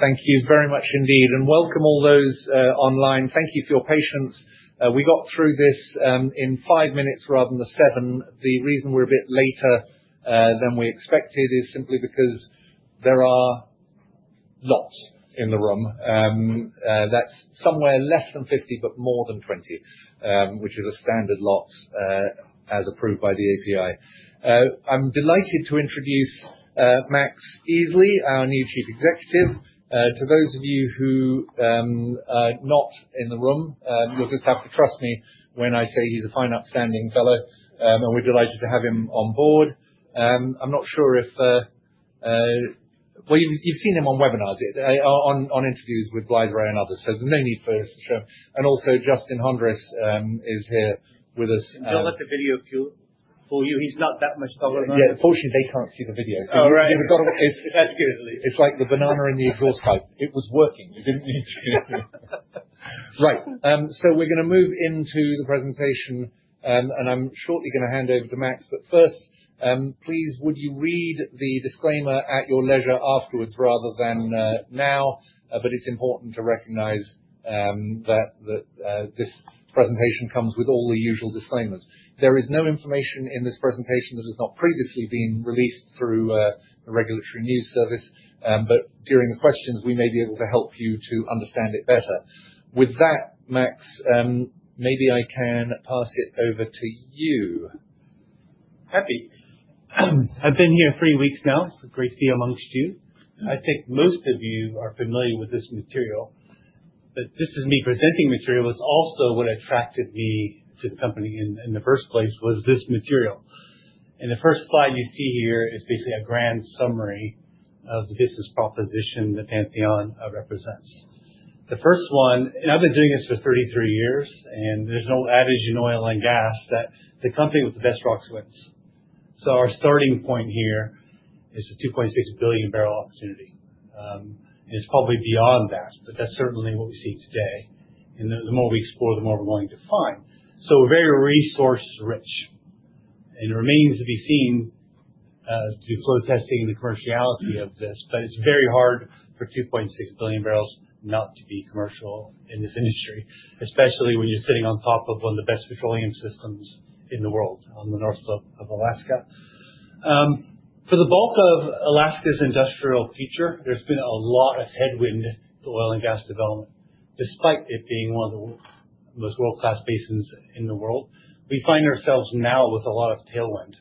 Thank you very much indeed and welcome all those online. Thank you for your patience. We got through this in five minutes rather than the seven. The reason we're a bit later than we expected is simply because there are lots in the room that's somewhere less than 50 but more than 20, which is a standard lot as approved by the API. I'm delighted to introduce Max Easley, our new Chief Executive. To those of you who are not in the room, you'll just have to trust me when I say he's a fine, upstanding fellow, and we're delighted to have him on board. I'm not sure if. Well, you've seen him on webinars. They are on interviews with BlytheRay and others, so there's no need for us to show. Also Justin Hondris is here with us. Don't let the video fool you. He's not that much taller than us. Yeah. Unfortunately, they can't see the video. Oh, right. You've got to... It's- That's good at least. It's like the banana in the exhaust pipe. It was working. It didn't need to be. Right. We're gonna move into the presentation, and I'm shortly gonna hand over to Max. First, please, would you read the disclaimer at your leisure afterwards rather than now. It's important to recognize that this presentation comes with all the usual disclaimers. There is no information in this presentation that has not previously been released through the Regulatory News Service. During the questions we may be able to help you to understand it better. With that, Max, maybe I can pass it over to you. Happy. I've been here three weeks now. It's great to be among you. I think most of you are familiar with this material, but this is me presenting material. It's also what attracted me to the company in the first place was this material. The first slide you see here is basically a grand summary of the business proposition that Pantheon represents. I've been doing this for 33 years, and there's an old adage in oil and gas that the company with the best rock wins. Our starting point here is the 2.6 billion barrel opportunity. It's probably beyond that, but that's certainly what we see today. The more we explore, the more we're going to find. We're very resource rich, and it remains to be seen through flow testing and the commerciality of this. It's very hard for 2.6 billion barrels not to be commercial in this industry, especially when you're sitting on top of one of the best petroleum systems in the world on the North Slope of Alaska. For the bulk of Alaska's industrial future, there's been a lot of headwind to oil and gas development, despite it being one of the world's most world-class basins in the world. We find ourselves now with a lot of tailwind.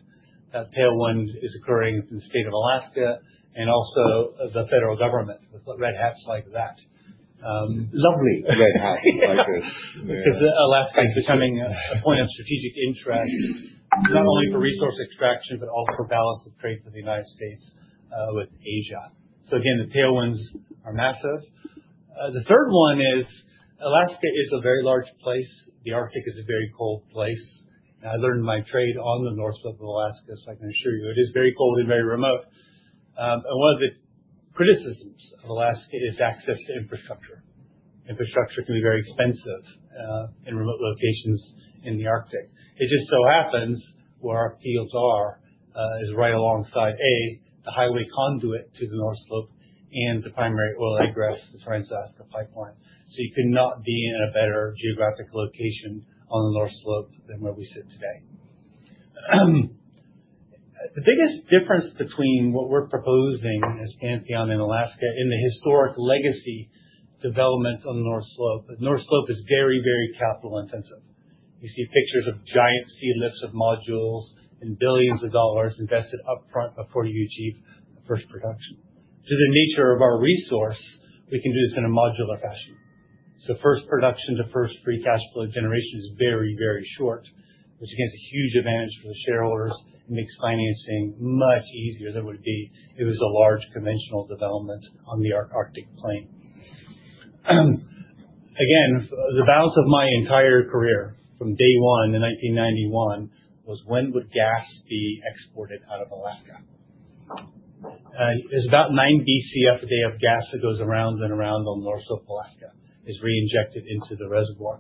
That tailwind is occurring from the state of Alaska and also the federal government with the red hats like that. Lovely red hat like this. Yeah. Because Alaska is becoming a point of strategic interest, not only for resource extraction, but also for balance of trade for the United States with Asia. Again, the tailwinds are massive. The third one is Alaska is a very large place. The Arctic is a very cold place. I learned my trade on the North Slope of Alaska, so I can assure you it is very cold and very remote. One of the criticisms of Alaska is access to infrastructure. Infrastructure can be very expensive in remote locations in the Arctic. It just so happens where our fields are is right alongside the highway conduit to the North Slope and the primary oil egress, the Trans-Alaska Pipeline. You could not be in a better geographic location on the North Slope than where we sit today. The biggest difference between what we're proposing as Pantheon in Alaska in the historic legacy development on the North Slope is very, very capital intensive. You see pictures of giant sea lifts of modules and billions of dollars invested upfront before you achieve first production. Through the nature of our resource, we can do this in a modular fashion. First production to first free cash flow generation is very, very short, which again is a huge advantage for the shareholders. It makes financing much easier than it would be if it was a large conventional development on the Arctic Coastal Plain. The balance of my entire career from day one in 1991 was when would gas be exported out of Alaska. There's about 9 Bcf a day of gas that goes around and around on the North Slope of Alaska. It's reinjected into the reservoir.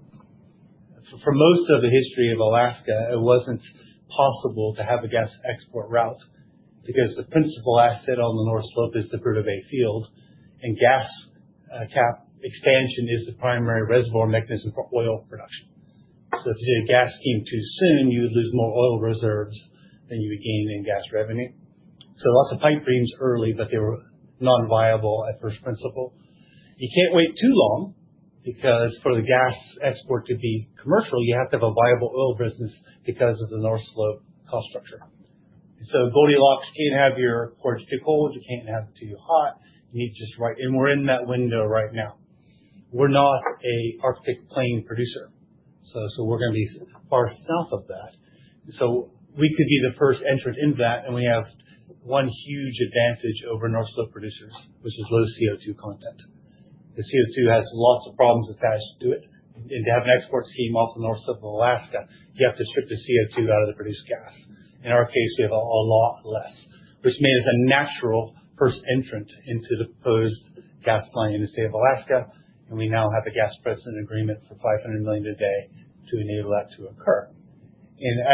For most of the history of Alaska, it wasn't possible to have a gas export route because the principal asset on the North Slope is the Prudhoe Bay Field, and gas cap expansion is the primary reservoir mechanism for oil production. If the gas came too soon, you would lose more oil reserves than you would gain in gas revenue. Lots of pipe dreams early, but they were non-viable at first principles. You can't wait too long because for the gas export to be commercial, you have to have a viable oil business because of the North Slope cost structure. Goldilocks, you can't have your porridge too cold, you can't have it too hot. You need it just right, and we're in that window right now. We're not a Arctic Coastal Plain producer. We're gonna be far south of that. We could be the first entrant into that, and we have one huge advantage over North Slope producers, which is low CO2 content. The CO2 has lots of problems attached to it. To have an export scheme off the North Slope of Alaska, you have to strip the CO2 out of the produced gas. In our case, we have a lot less, which means a natural first entrant into the proposed gas pipeline in the state of Alaska, and we now have a gas precedent agreement for 500 million a day to enable that to occur.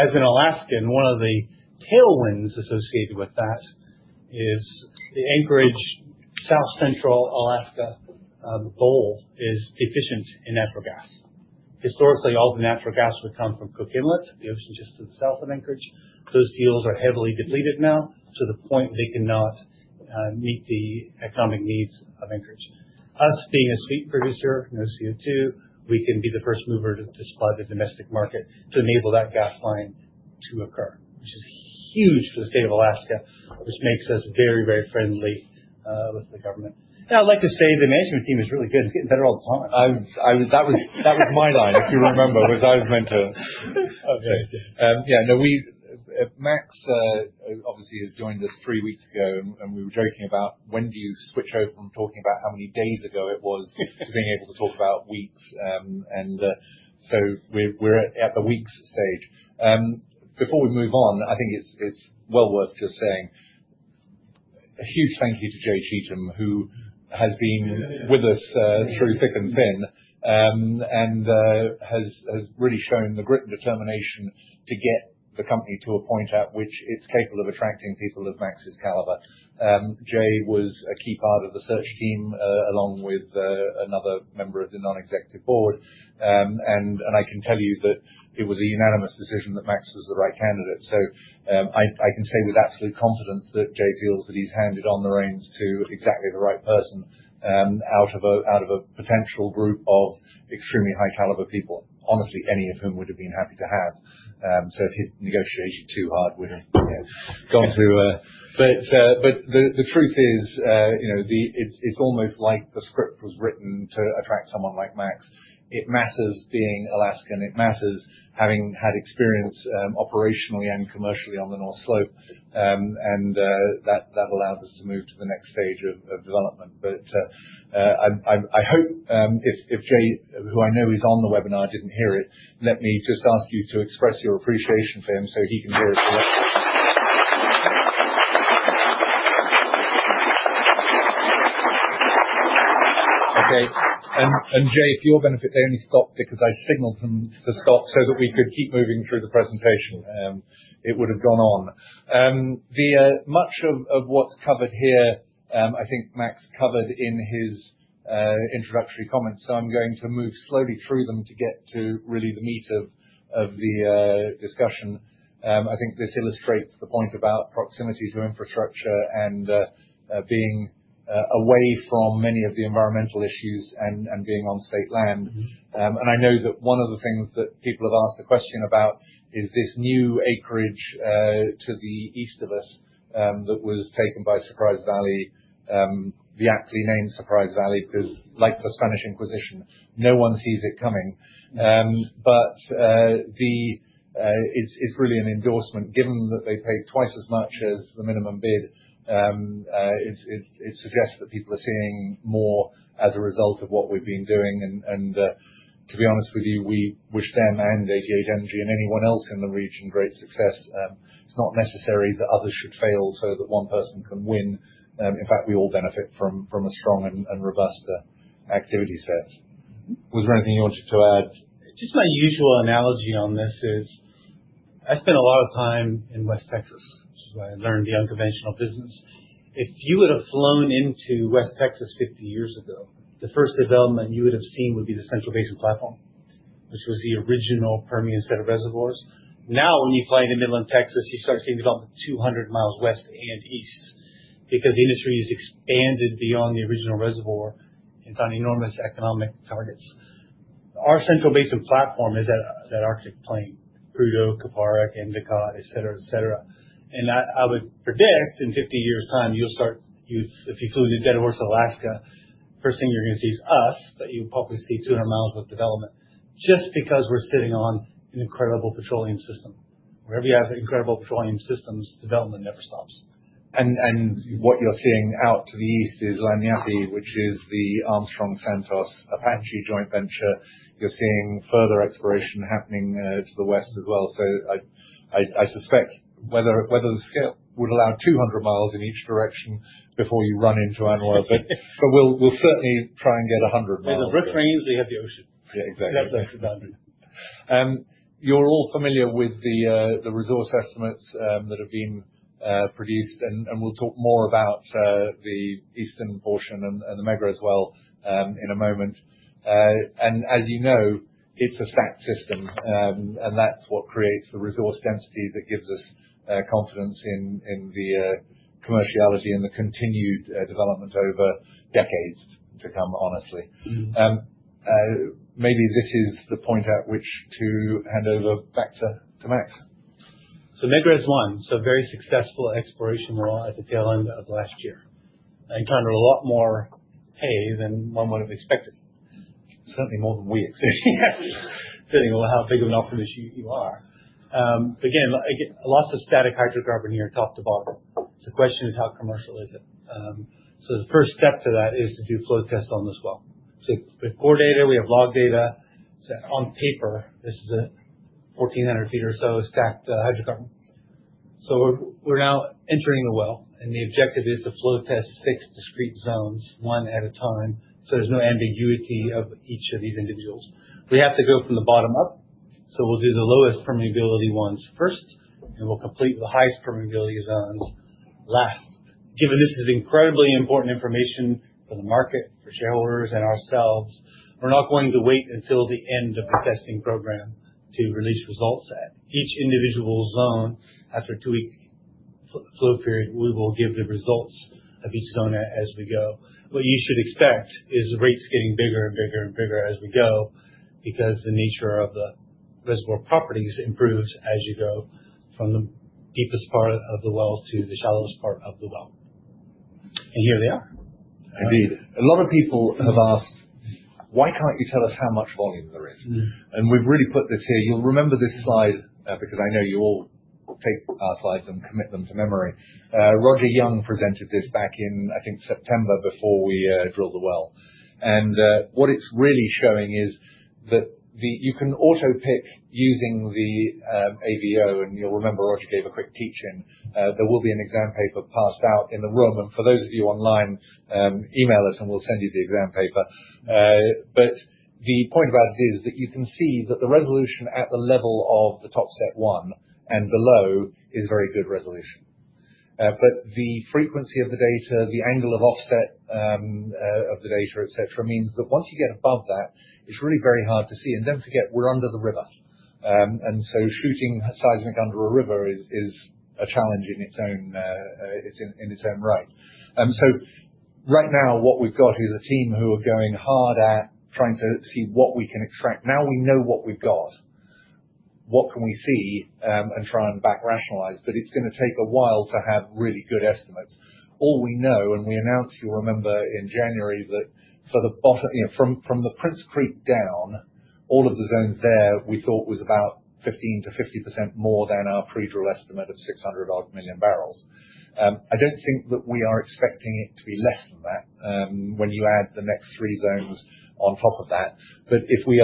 As an Alaskan, one of the tailwinds associated with that is the Anchorage South Central Alaska bowl is deficient in natural gas. Historically, all the natural gas would come from Cook Inlet, the ocean just to the south of Anchorage. Those deals are heavily depleted now to the point they cannot meet the economic needs of Anchorage. Us being a sweet producer, no CO2, we can be the first mover to supply the domestic market to enable that gas line to occur, which is huge for the state of Alaska, which makes us very, very friendly with the government. I'd like to say the management team is really good. It's getting better all the time. That was my line. If you remember. I was meant to. Okay. Yeah. No, Max obviously has joined us three weeks ago, and we were joking about when do you switch over from talking about how many days ago it was to being able to talk about weeks. We're at the weeks stage. Before we move on, I think it's well worth just saying a huge thank you to Jay Cheatham, who has been with us through thick and thin, and has really shown the grit and determination to get the company to a point at which it's capable of attracting people of Max's caliber. Jay was a key part of the search team, along with another member of the non-executive board. I can tell you that it was a unanimous decision that Max was the right candidate. I can say with absolute confidence that Jay feels that he's handed on the reins to exactly the right person out of a potential group of extremely high caliber people. Honestly, any of whom we would have been happy to have. If he'd negotiated too hard, we'd have, you know, gone through. The truth is, you know, it's almost like the script was written to attract someone like Max. It matters being Alaskan. It matters having had experience operationally and commercially on the North Slope. That allows us to move to the next stage of development. I hope, if Jay, who I know is on the webinar, didn't hear it, let me just ask you to express your appreciation for him so he can hear it directly. Okay. Jay, for your benefit, they only stopped because I signaled them to stop so that we could keep moving through the presentation. It would have gone on. Much of what's covered here, I think Max covered in his introductory comments. I'm going to move slowly through them to get to really the meat of the discussion. I think this illustrates the point about proximity to infrastructure and being away from many of the environmental issues and being on state land. I know that one of the things that people have asked a question about is this new acreage to the east of us that was taken by Surprise Valley. We actually named Surprise Valley 'cause like the Spanish Inquisition, no one sees it coming. But it's really an endorsement given that they paid twice as much as the minimum bid. It suggests that people are seeing more as a result of what we've been doing. To be honest with you, we wish them and 88 Energy and anyone else in the region great success. It's not necessary that others should fail so that one person can win. In fact, we all benefit from a strong and robust activity set. Was there anything you wanted to add? Just my usual analogy on this is I spent a lot of time in West Texas. It's where I learned the unconventional business. If you would have flown into West Texas 50 years ago, the first development you would have seen would be the Central Basin Platform, which was the original Permian set of reservoirs. Now, when you fly into Midland, Texas, you start seeing development 200 miles west and east because the industry has expanded beyond the original reservoir and found enormous economic targets. Our Central Basin Platform is at that Arctic Coastal Plain, Prudhoe, Kuparuk, Endicott, et cetera, et cetera. I would predict in 50 years' time, if you flew into Deadhorse, Alaska, first thing you're gonna see is us, but you'll probably see 200 miles of development just because we're sitting on an incredible petroleum system. Wherever you have incredible petroleum systems, development never stops. What you're seeing out to the east is Nanushuk which is the Armstrong Santos Apache joint venture. You're seeing further exploration happening to the west as well. I suspect whether the scale would allow 200 miles in each direction before you run into Iñupiat. We'll certainly try and get a 100 miles. Either the Brooks Range or you have the ocean. Yeah, exactly. That's our boundary. You're all familiar with the resource estimates that have been produced, and we'll talk more about the eastern portion and the Megrez as well in a moment. As you know, it's a stacked system. That's what creates the resource density that gives us confidence in the commerciality and the continued development over decades to come, honestly. Mm-hmm. Maybe this is the point at which to hand over back to Max. Megrez is one. Very successful exploration well at the tail end of last year, and turned a lot more pay than one would have expected. Certainly more than we expected. Depending on how big of an optimist you are. Again, lots of static hydrocarbon here, top to bottom. It's a question of how commercial is it. The first step to that is to do a flow test on this well. With core data, we have log data. On paper, this is a 1,400 feet or so stacked hydrocarbon. We're now entering the well, and the objective is to flow test six discrete zones, one at a time, so there's no ambiguity of each of these individuals. We have to go from the bottom up, so we'll do the lowest permeability ones first, and we'll complete the highest permeability zones last. Given this is incredibly important information for the market, for shareholders, and ourselves, we're not going to wait until the end of the testing program to release results at each individual zone. After two-week flow period, we will give the results of each zone as we go. What you should expect is the rates getting bigger and bigger and bigger as we go because the nature of the reservoir properties improves as you go from the deepest part of the well to the shallowest part of the well. Here they are. Indeed. A lot of people have asked, "Why can't you tell us how much volume there is? Mm. We've really put this here. You'll remember this slide, because I know you all will take our slides and commit them to memory. Roger Young presented this back in, I think, September before we drilled the well. What it's really showing is that you can auto pick using the AVO, and you'll remember Roger gave a quick teach-in. There will be an exam paper passed out in the room. For those of you online, email us, and we'll send you the exam paper. But the point about it is that you can see that the resolution at the level of the topset one and below is very good resolution. The frequency of the data, the angle of offset of the data, et cetera, means that once you get above that, it's really very hard to see. Don't forget, we're under the river. Shooting seismic under a river is a challenge in its own right. Right now what we've got is a team who are going hard at trying to see what we can extract. Now we know what we've got. What can we see and try and back rationalize? It's gonna take a while to have really good estimates. All we know, we announced, you'll remember, in January that for the bottom... You know, from the Prince Creek down, all of the zones there we thought was about 15%-50% more than our pre-drill estimate of 600-odd million barrels. I don't think that we are expecting it to be less than that, when you add the next three zones on top of that. If we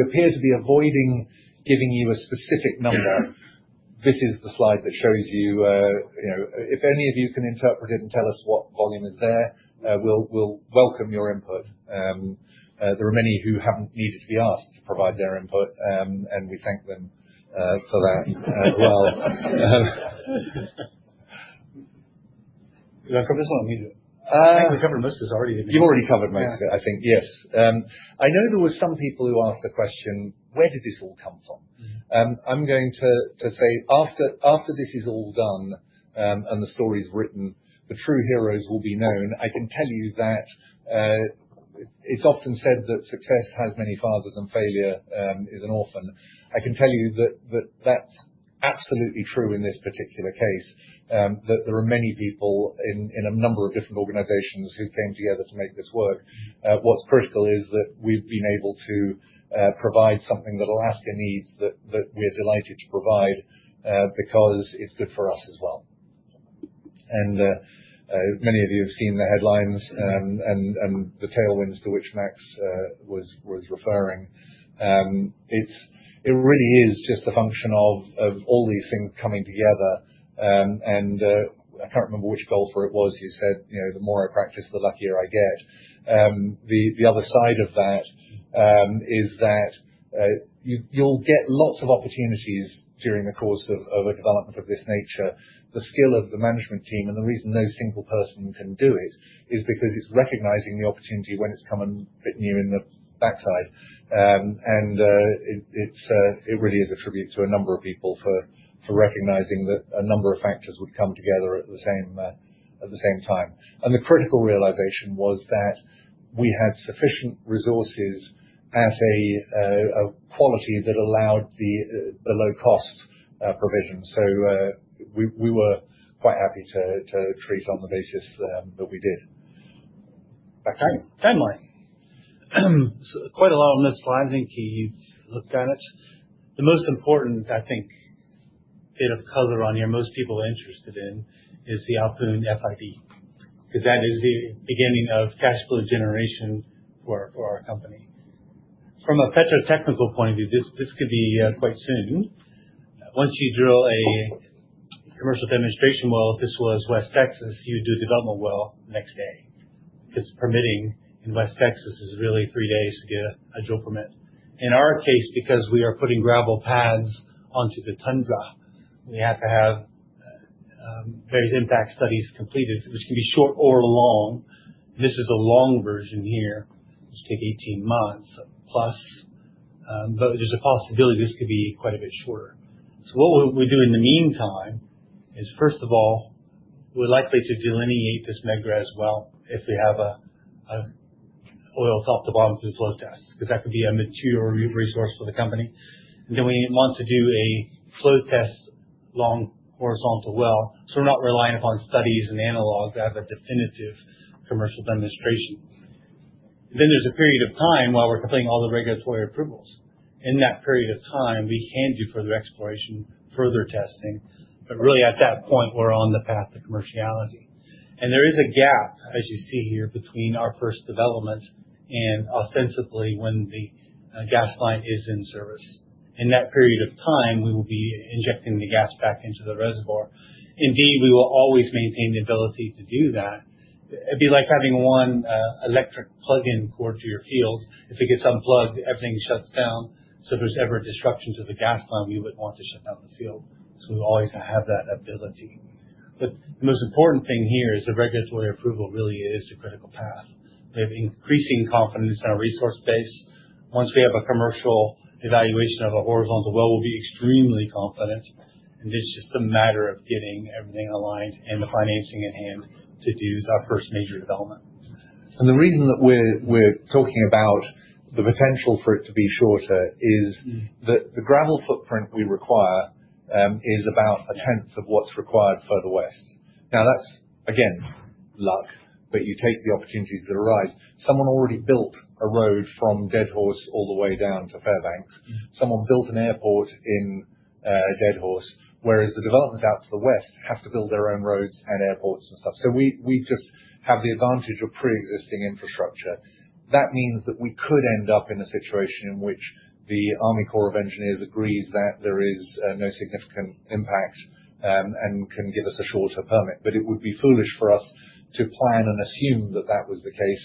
appear to be avoiding giving you a specific number, this is the slide that shows you know. If any of you can interpret it and tell us what volume is there, we'll welcome your input. There are many who haven't needed to be asked to provide their input, and we thank them for that, as well. Yeah. I've covered this one, haven't you? Uh. I think we've covered most of this already. You've already covered most of it. Yeah. I know there were some people who asked the question, "Where did this all come from? Mm. I'm going to say after this is all done, and the story's written, the true heroes will be known. I can tell you that it's often said that success has many fathers and failure is an orphan. I can tell you that that's absolutely true in this particular case. That there are many people in a number of different organizations who came together to make this work. What's critical is that we've been able to provide something that Alaska needs that we're delighted to provide because it's good for us as well. Many of you have seen the headlines and the tailwinds to which Max was referring. It's really just a function of all these things coming together. I can't remember which golfer it was who said, you know, "The more I practice, the luckier I get." The other side of that is that you'll get lots of opportunities during the course of a development of this nature. The skill of the management team, and the reason no single person can do it, is because it's recognizing the opportunity when it's coming, hitting you in the backside. It's really a tribute to a number of people for recognizing that a number of factors would come together at the same time. The critical realization was that we had sufficient resources at a quality that allowed the low-cost provision. We were quite happy to treat on the basis that we did. Back to you. Timeline. Quite a lot on this slide. I think you've looked at it. The most important, I think, bit of color on here most people are interested in is the Ahpun FID, 'cause that is the beginning of cash flow generation for our company. From a petrotechnical point of view, this could be quite soon. Once you drill a commercial demonstration well, if this was West Texas, you'd do a development well next day, 'cause permitting in West Texas is really three days to get a drill permit. In our case, because we are putting gravel pads onto the tundra, we have to have various impact studies completed. This can be short or long. This is the long version here, which take 18 months plus. There's a possibility this could be quite a bit shorter. What we'll do in the meantime is, first of all, we're likely to delineate this Megrez as well if we have a oil top to bottom through the flow test, 'cause that could be a material resource for the company. Then we want to do a flow test long horizontal well, so we're not reliant upon studies and analogs to have a definitive commercial demonstration. There's a period of time while we're completing all the regulatory approvals. In that period of time, we can do further exploration, further testing, but really at that point, we're on the path to commerciality. There is a gap, as you see here, between our first development and ostensibly when the gas line is in service. In that period of time, we will be injecting the gas back into the reservoir. Indeed, we will always maintain the ability to do that. It'd be like having one electric plug-in cord to your field. If it gets unplugged, everything shuts down. So, if there's ever a disruption to the gas line, we wouldn't want to shut down the field. So, we always have that ability. But the most important thing here is the regulatory approval really is the critical path. We have increasing confidence in our resource base. Once we have a commercial evaluation of a horizontal well, we'll be extremely confident, and it's just a matter of getting everything aligned and the financing in hand to do our first major development. The reason that we're talking about the potential for it to be shorter is that the gravel footprint we require is about a tenth of what's required further west. Now, that's again, luck, but you take the opportunities that arise. Someone already built a road from Deadhorse all the way down to Fairbanks. Someone built an airport in Deadhorse, whereas the developments out to the west have to build their own roads and airports and stuff. We just have the advantage of preexisting infrastructure. That means that we could end up in a situation in which the U.S. Army Corps of Engineers agrees that there is no significant impact and can give us a shorter permit. But it would be foolish for us to plan and assume that was the case.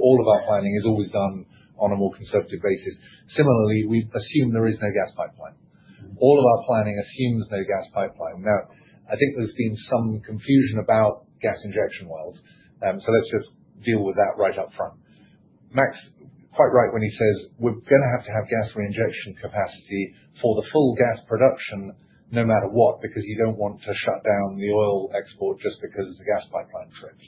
All of our planning is always done on a more conservative basis. Similarly, we assume there is no gas pipeline. All of our planning assumes no gas pipeline. Now, I think there's been some confusion about gas injection wells, so let's just deal with that right up front. Max, quite right when he says we're gonna have to have gas reinjection capacity for the full gas production no matter what, because you don't want to shut down the oil export just because the gas pipeline tripped.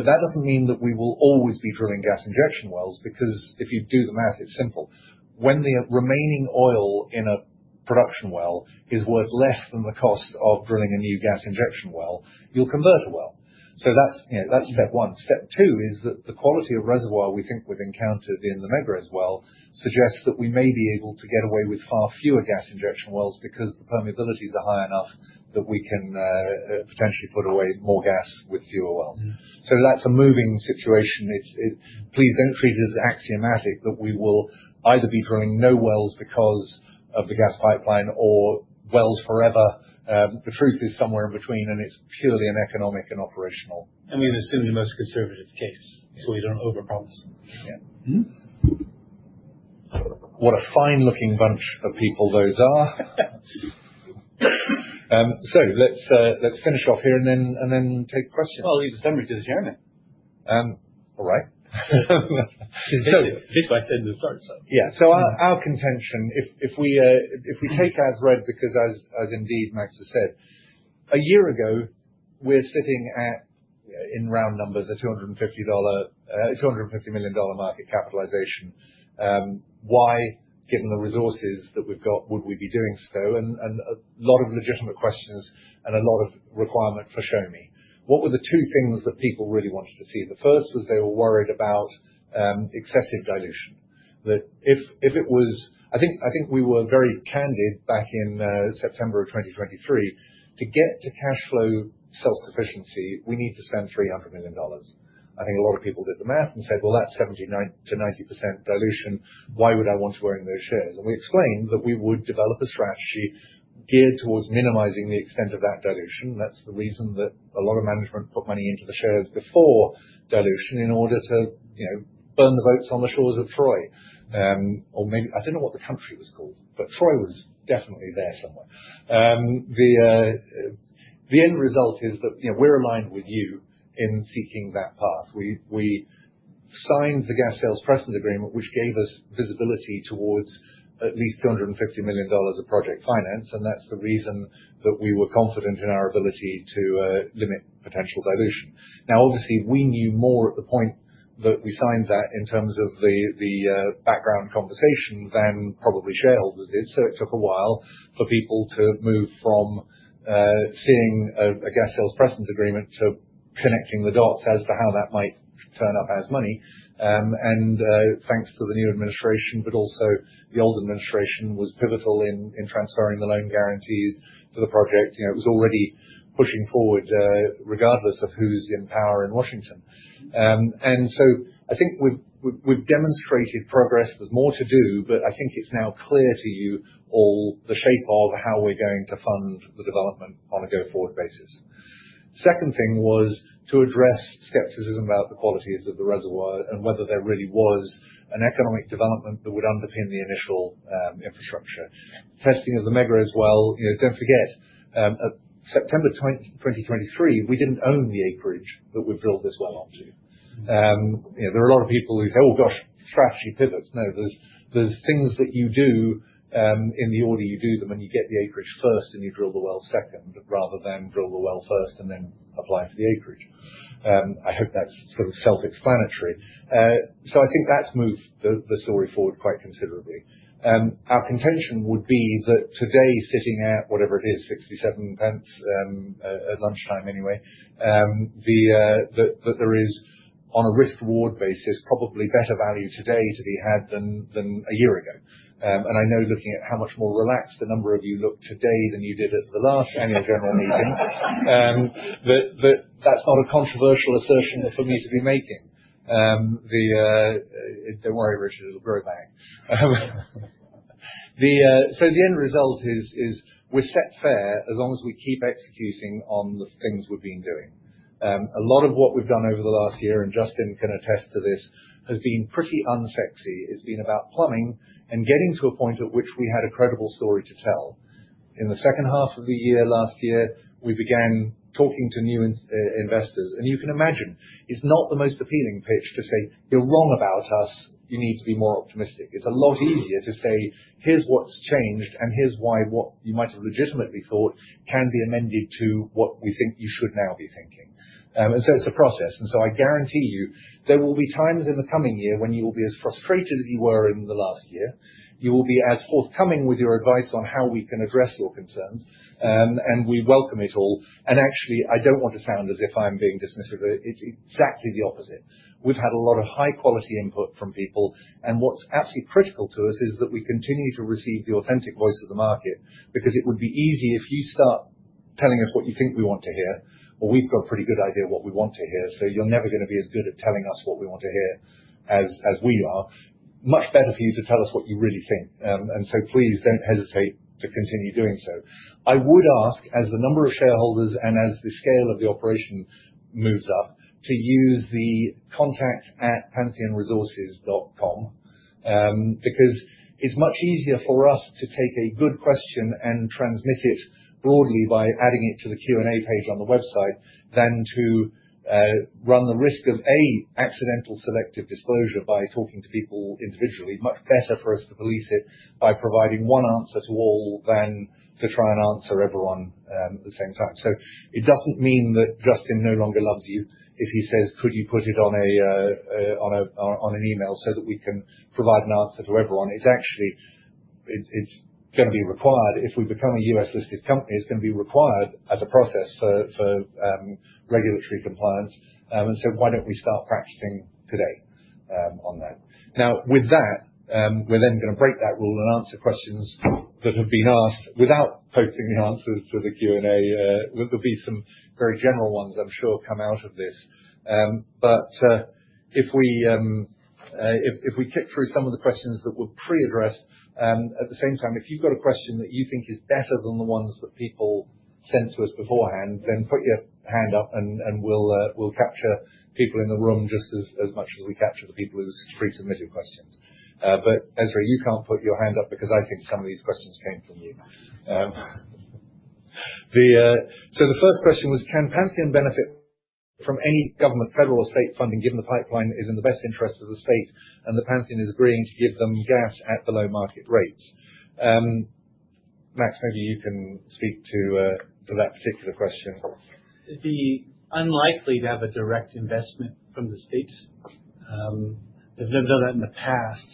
That doesn't mean that we will always be drilling gas injection wells because if you do the math, it's simple. When the remaining oil in a production well is worth less than the cost of drilling a new gas injection well, you'll convert a well. That's, you know, step one. Step two is that the quality of reservoir we think we've encountered in the Megrez Well suggests that we may be able to get away with far fewer gas injection wells because the permeabilities are high enough that we can potentially put away more gas with fewer wells. So that's a moving situation. Please don't treat it as axiomatic that we will either be drilling no wells because of the gas pipeline or wells forever. The truth is somewhere in between, and it's purely an economic and operational. We've assumed the most conservative case, so we don't overpromise. Yeah. Mm-hmm. What a fine-looking bunch of people those are. Let's finish off here and then take questions. Well, it's time to adjourn it. All right. Since I said we'll start, so. Our contention if we take as read because indeed Max has said, a year ago, we're sitting at, in round numbers, a $250 million market capitalization. Why, given the resources that we've got, would we be doing so? A lot of legitimate questions and a lot of requirement for show me. What were the two things that people really wanted to see? The first was they were worried about excessive dilution. That if it was I think we were very candid back in September of 2023. To get to cash flow self-sufficiency, we need to spend $300 million. I think a lot of people did the math and said, "Well, that's 79%-90% dilution. Why would I want to own those shares?" We explained that we would develop a strategy geared towards minimizing the extent of that dilution. That's the reason that a lot of management put money into the shares before dilution in order to, you know, burn the boats on the shores of Troy, or maybe I don't know what the country was called, but Troy was definitely there somewhere. The end result is that, you know, we're aligned with you in seeking that path. We signed the Gas Sales Precedent Agreement, which gave us visibility towards at least $250 million of project finance, and that's the reason that we were confident in our ability to limit potential dilution. Now, obviously, we knew more at the point that we signed that in terms of the background conversation than probably shareholders did. It took a while for people to move from seeing a Gas Sales Precedent Agreement to connecting the dots as to how that might turn up as money. Thanks to the new administration, but also the old administration was pivotal in transferring the loan guarantees to the project. You know, it was already pushing forward regardless of who's in power in Washington. I think we've demonstrated progress. There's more to do, but I think it's now clear to you all the shape of how we're going to fund the development on a go-forward basis. Second thing was to address skepticism about the qualities of the reservoir and whether there really was an economic development that would underpin the initial infrastructure. Testing of the Megrez well, you know, don't forget, September 20, 2023, we didn't own the acreage that we've built this well onto. You know, there are a lot of people who say, "Oh, gosh, strategy pivots." No. There are things that you do in the order you do them, and you get the acreage first and you drill the well second rather than drill the well first and then apply to the acreage. I hope that's sort of self-explanatory. I think that's moved the story forward quite considerably. Our contention would be that today, sitting at whatever it is, 0.67, at lunchtime anyway, there is on a risk-reward basis, probably better value today to be had than a year ago. I know looking at how much more relaxed a number of you look today than you did at the last annual general meeting, that's not a controversial assertion for me to be making. Don't worry, Richard. It'll grow back. The end result is we're set fair as long as we keep executing on the things we've been doing. A lot of what we've done over the last year, and Justin can attest to this, has been pretty unsexy. It's been about plumbing and getting to a point at which we had a credible story to tell. In the second half of the year last year, we began talking to new investors. You can imagine it's not the most appealing pitch to say, "You're wrong about us. You need to be more optimistic." It's a lot easier to say, "Here's what's changed, and here's why what you might have legitimately thought can be amended to what we think you should now be thinking." It's a process. I guarantee you there will be times in the coming year when you will be as frustrated as you were in the last year. You will be as forthcoming with your advice on how we can address your concerns. We welcome it all. Actually, I don't want to sound as if I'm being dismissive. It's exactly the opposite. We've had a lot of high-quality input from people, and what's absolutely critical to us is that we continue to receive the authentic voice of the market, because it would be easy if you start telling us what you think we want to hear. Well, we've got a pretty good idea what we want to hear, so you're never gonna be as good at telling us what we want to hear as we are. Much better for you to tell us what you really think. Please don't hesitate to continue doing so. I would ask, as the number of shareholders and as the scale of the operation moves up, to use the contact@pantheonresources.com. Because it's much easier for us to take a good question and transmit it broadly by adding it to the Q&A page on the website than to run the risk of any accidental selective disclosure by talking to people individually. Much better for us to police it by providing one answer to all than to try and answer everyone at the same time. It doesn't mean that Justin no longer loves you if he says, "Could you put it on an email so that we can provide an answer to everyone?" It's actually. It's gonna be required. If we become a U.S. listed company, it's gonna be required as a process for regulatory compliance. Why don't we start practicing today on that. Now with that, we're then gonna break that rule and answer questions that have been asked without posting the answers to the Q&A. There'll be some very general ones I'm sure come out of this. If we kick through some of the questions that were pre-addressed, at the same time, if you've got a question that you think is better than the ones that people sent to us beforehand, then put your hand up and we'll capture people in the room just as much as we capture the people with the pre-submitted questions. Ezra you can't put your hand up because I think some of these questions came from you. The... The first question was, can Pantheon benefit from any government, federal or state funding, given the pipeline is in the best interest of the state and that Pantheon is agreeing to give them gas at below market rates? Max, maybe you can speak to that particular question. It'd be unlikely to have a direct investment from the state. They've never done that in the past.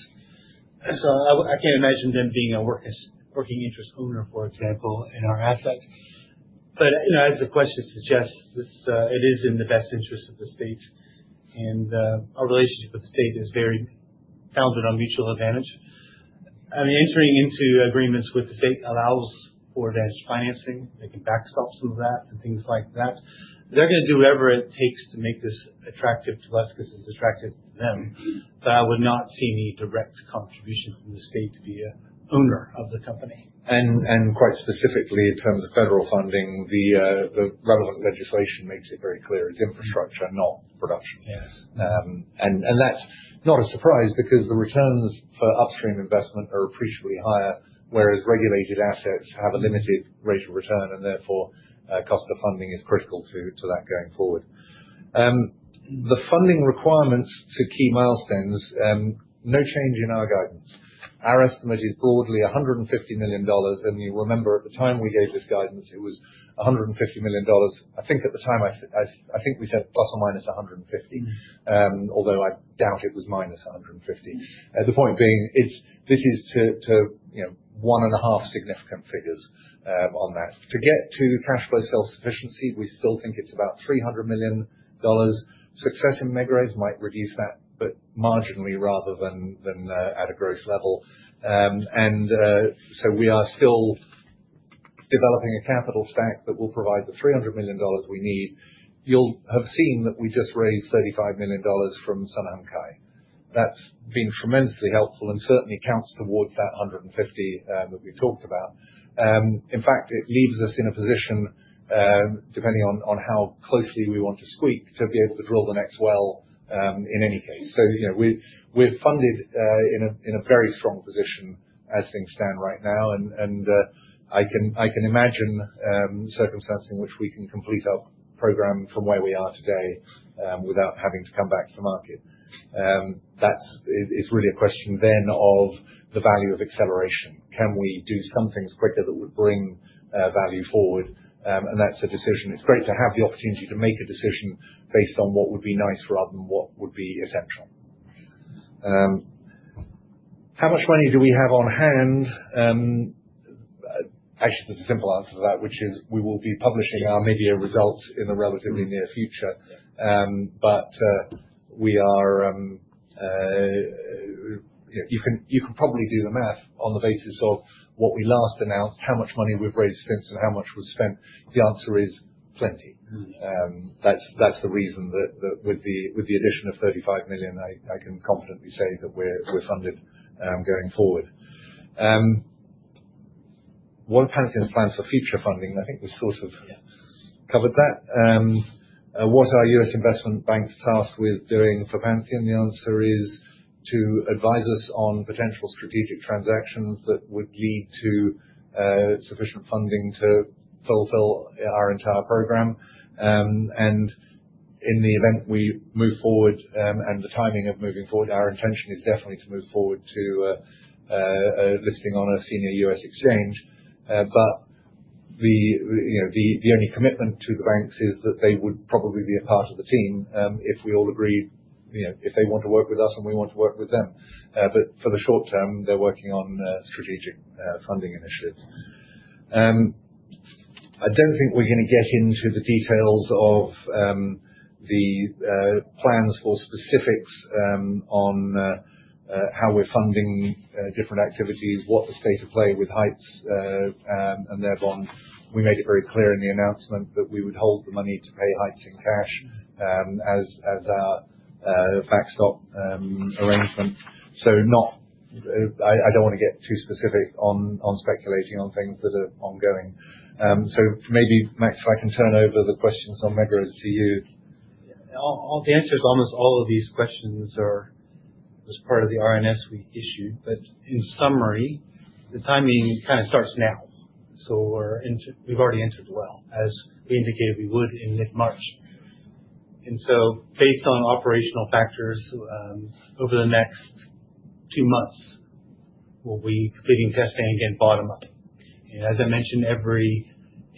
I can't imagine them being a working interest owner, for example, in our assets. You know, as the question suggests, this it is in the best interest of the state. Our relationship with the state is very founded on mutual advantage. I mean, entering into agreements with the state allows for debt financing. They can backstop some of that and things like that. They're gonna do whatever it takes to make this attractive to us 'cause it's attractive to them. I would not see any direct contribution from the state to be an owner of the company. Quite specifically in terms of federal funding, the relevant legislation makes it very clear it's infrastructure, not production. Yes. That's not a surprise because the returns for upstream investment are appreciably higher, whereas regulated assets have a limited rate of return and therefore, cost of funding is critical to that going forward. The funding requirements to key milestones, no change in our guidance. Our estimate is broadly $150 million. You remember at the time we gave this guidance, it was $150 million. I think at the time, I think we said plus or minus $150 million. Mm-hmm. Although I doubt it was -150. The point being it's this to you know one and a half significant figures on that. To get to cash flow self-sufficiency, we still think it's about $300 million. Success in Megrez might reduce that, but marginally rather than at a gross level. We are still developing a capital stack that will provide the $300 million we need. You'll have seen that we just raised $35 million from [Sonangol]. That's been tremendously helpful and certainly counts towards that $150 that we talked about. In fact, it leaves us in a position depending on how closely we want to squeak to be able to drill the next well in any case. You know, we're funded in a very strong position as things stand right now. I can imagine circumstances in which we can complete our program from where we are today without having to come back to the market. It's really a question then of the value of acceleration. Can we do some things quicker that would bring value forward? That's a decision. It's great to have the opportunity to make a decision based on what would be nice rather than what would be essential. How much money do we have on hand? Actually, there's a simple answer to that, which is we will be publishing our mid-year results in the relatively near future. You know, you can probably do the math on the basis of what we last announced, how much money we've raised since, and how much we've spent. The answer is plenty. Mm-hmm. That's the reason that with the addition of 35 million, I can confidently say that we're funded going forward. What are Pantheon's plans for future funding? I think we sort of covered that. What are U.S. investment banks tasked with doing for Pantheon? The answer is to advise us on potential strategic transactions that would lead to sufficient funding to fulfill our entire program. In the event we move forward, and the timing of moving forward, our intention is definitely to move forward to a listing on a senior U.S. exchange. The only commitment to the banks is that they would probably be a part of the team, if we all agree, you know, if they want to work with us, and we want to work with them. For the short term, they're working on strategic funding initiatives. I don't think we're gonna get into the details of the plans for specifics on how we're funding different activities, what the state of play with Heights and their bonds. We made it very clear in the announcement that we would hold the money to pay Heights in cash, as our backstop arrangement. I don't wanna get too specific on speculating on things that are ongoing. Maybe, Max, if I can turn over the questions on Megrez to you. Yeah. All the answers to almost all of these questions are as part of the RNS we issued. In summary, the timing kind of starts now. We're already entered the well, as we indicated we would in mid-March. Based on operational factors, over the next two months, we'll be completing testing and bottom up. As I mentioned, every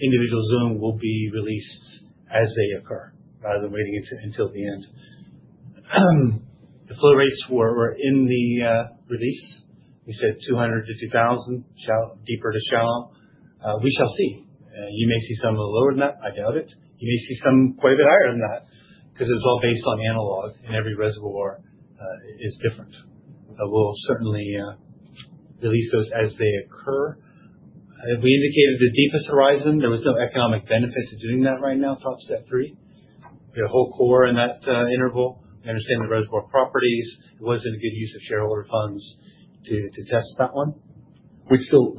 individual zone will be released as they occur, rather than waiting until the end. The flow rates were in the release. We said 250,000 deeper to shallow. We shall see. You may see some lower than that. I doubt it. You may see some quite a bit higher than that 'cause it's all based on analogs, and every reservoir is different. We'll certainly release those as they occur. We indicated the deepest horizon. There was no economic benefit to doing that right now, Topset 3. We had a whole core in that interval. We understand the reservoir properties. It wasn't a good use of shareholder funds to test that one. We'd still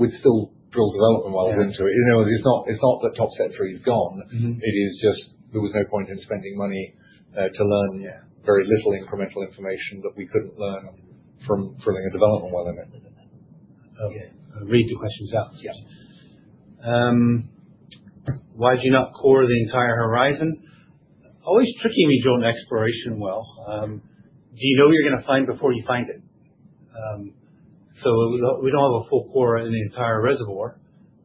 drill development well into it. Yeah. You know, it's not that Topset 3 is gone. Mm-hmm. It is just there was no point in spending money to learn. Yeah. Very little incremental information that we couldn't learn from drilling a development well anyway. Okay. Read the questions out. Yes. Why did you not core the entire horizon? Always tricky when you drill an exploration well. Do you know what you're gonna find before you find it? We don't have a full core in the entire reservoir,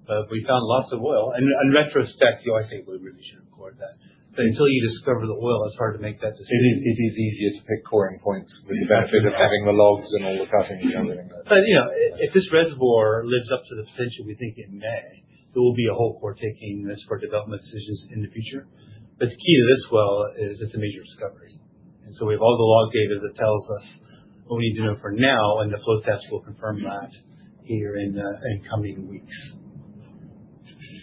but we found lots of oil. In retrospect, you know, I think we really should have cored that. Until you discover the oil, it's hard to make that decision. It is easier to pick coring points with the benefit of having the logs and all the cutting and everything. You know, if this reservoir lives up to the potential, we think it may, there will be a whole core taking this for development decisions in the future. The key to this well is it's a major discovery. We have all the log data that tells us what we need to know for now, and the flow test will confirm that here in coming weeks.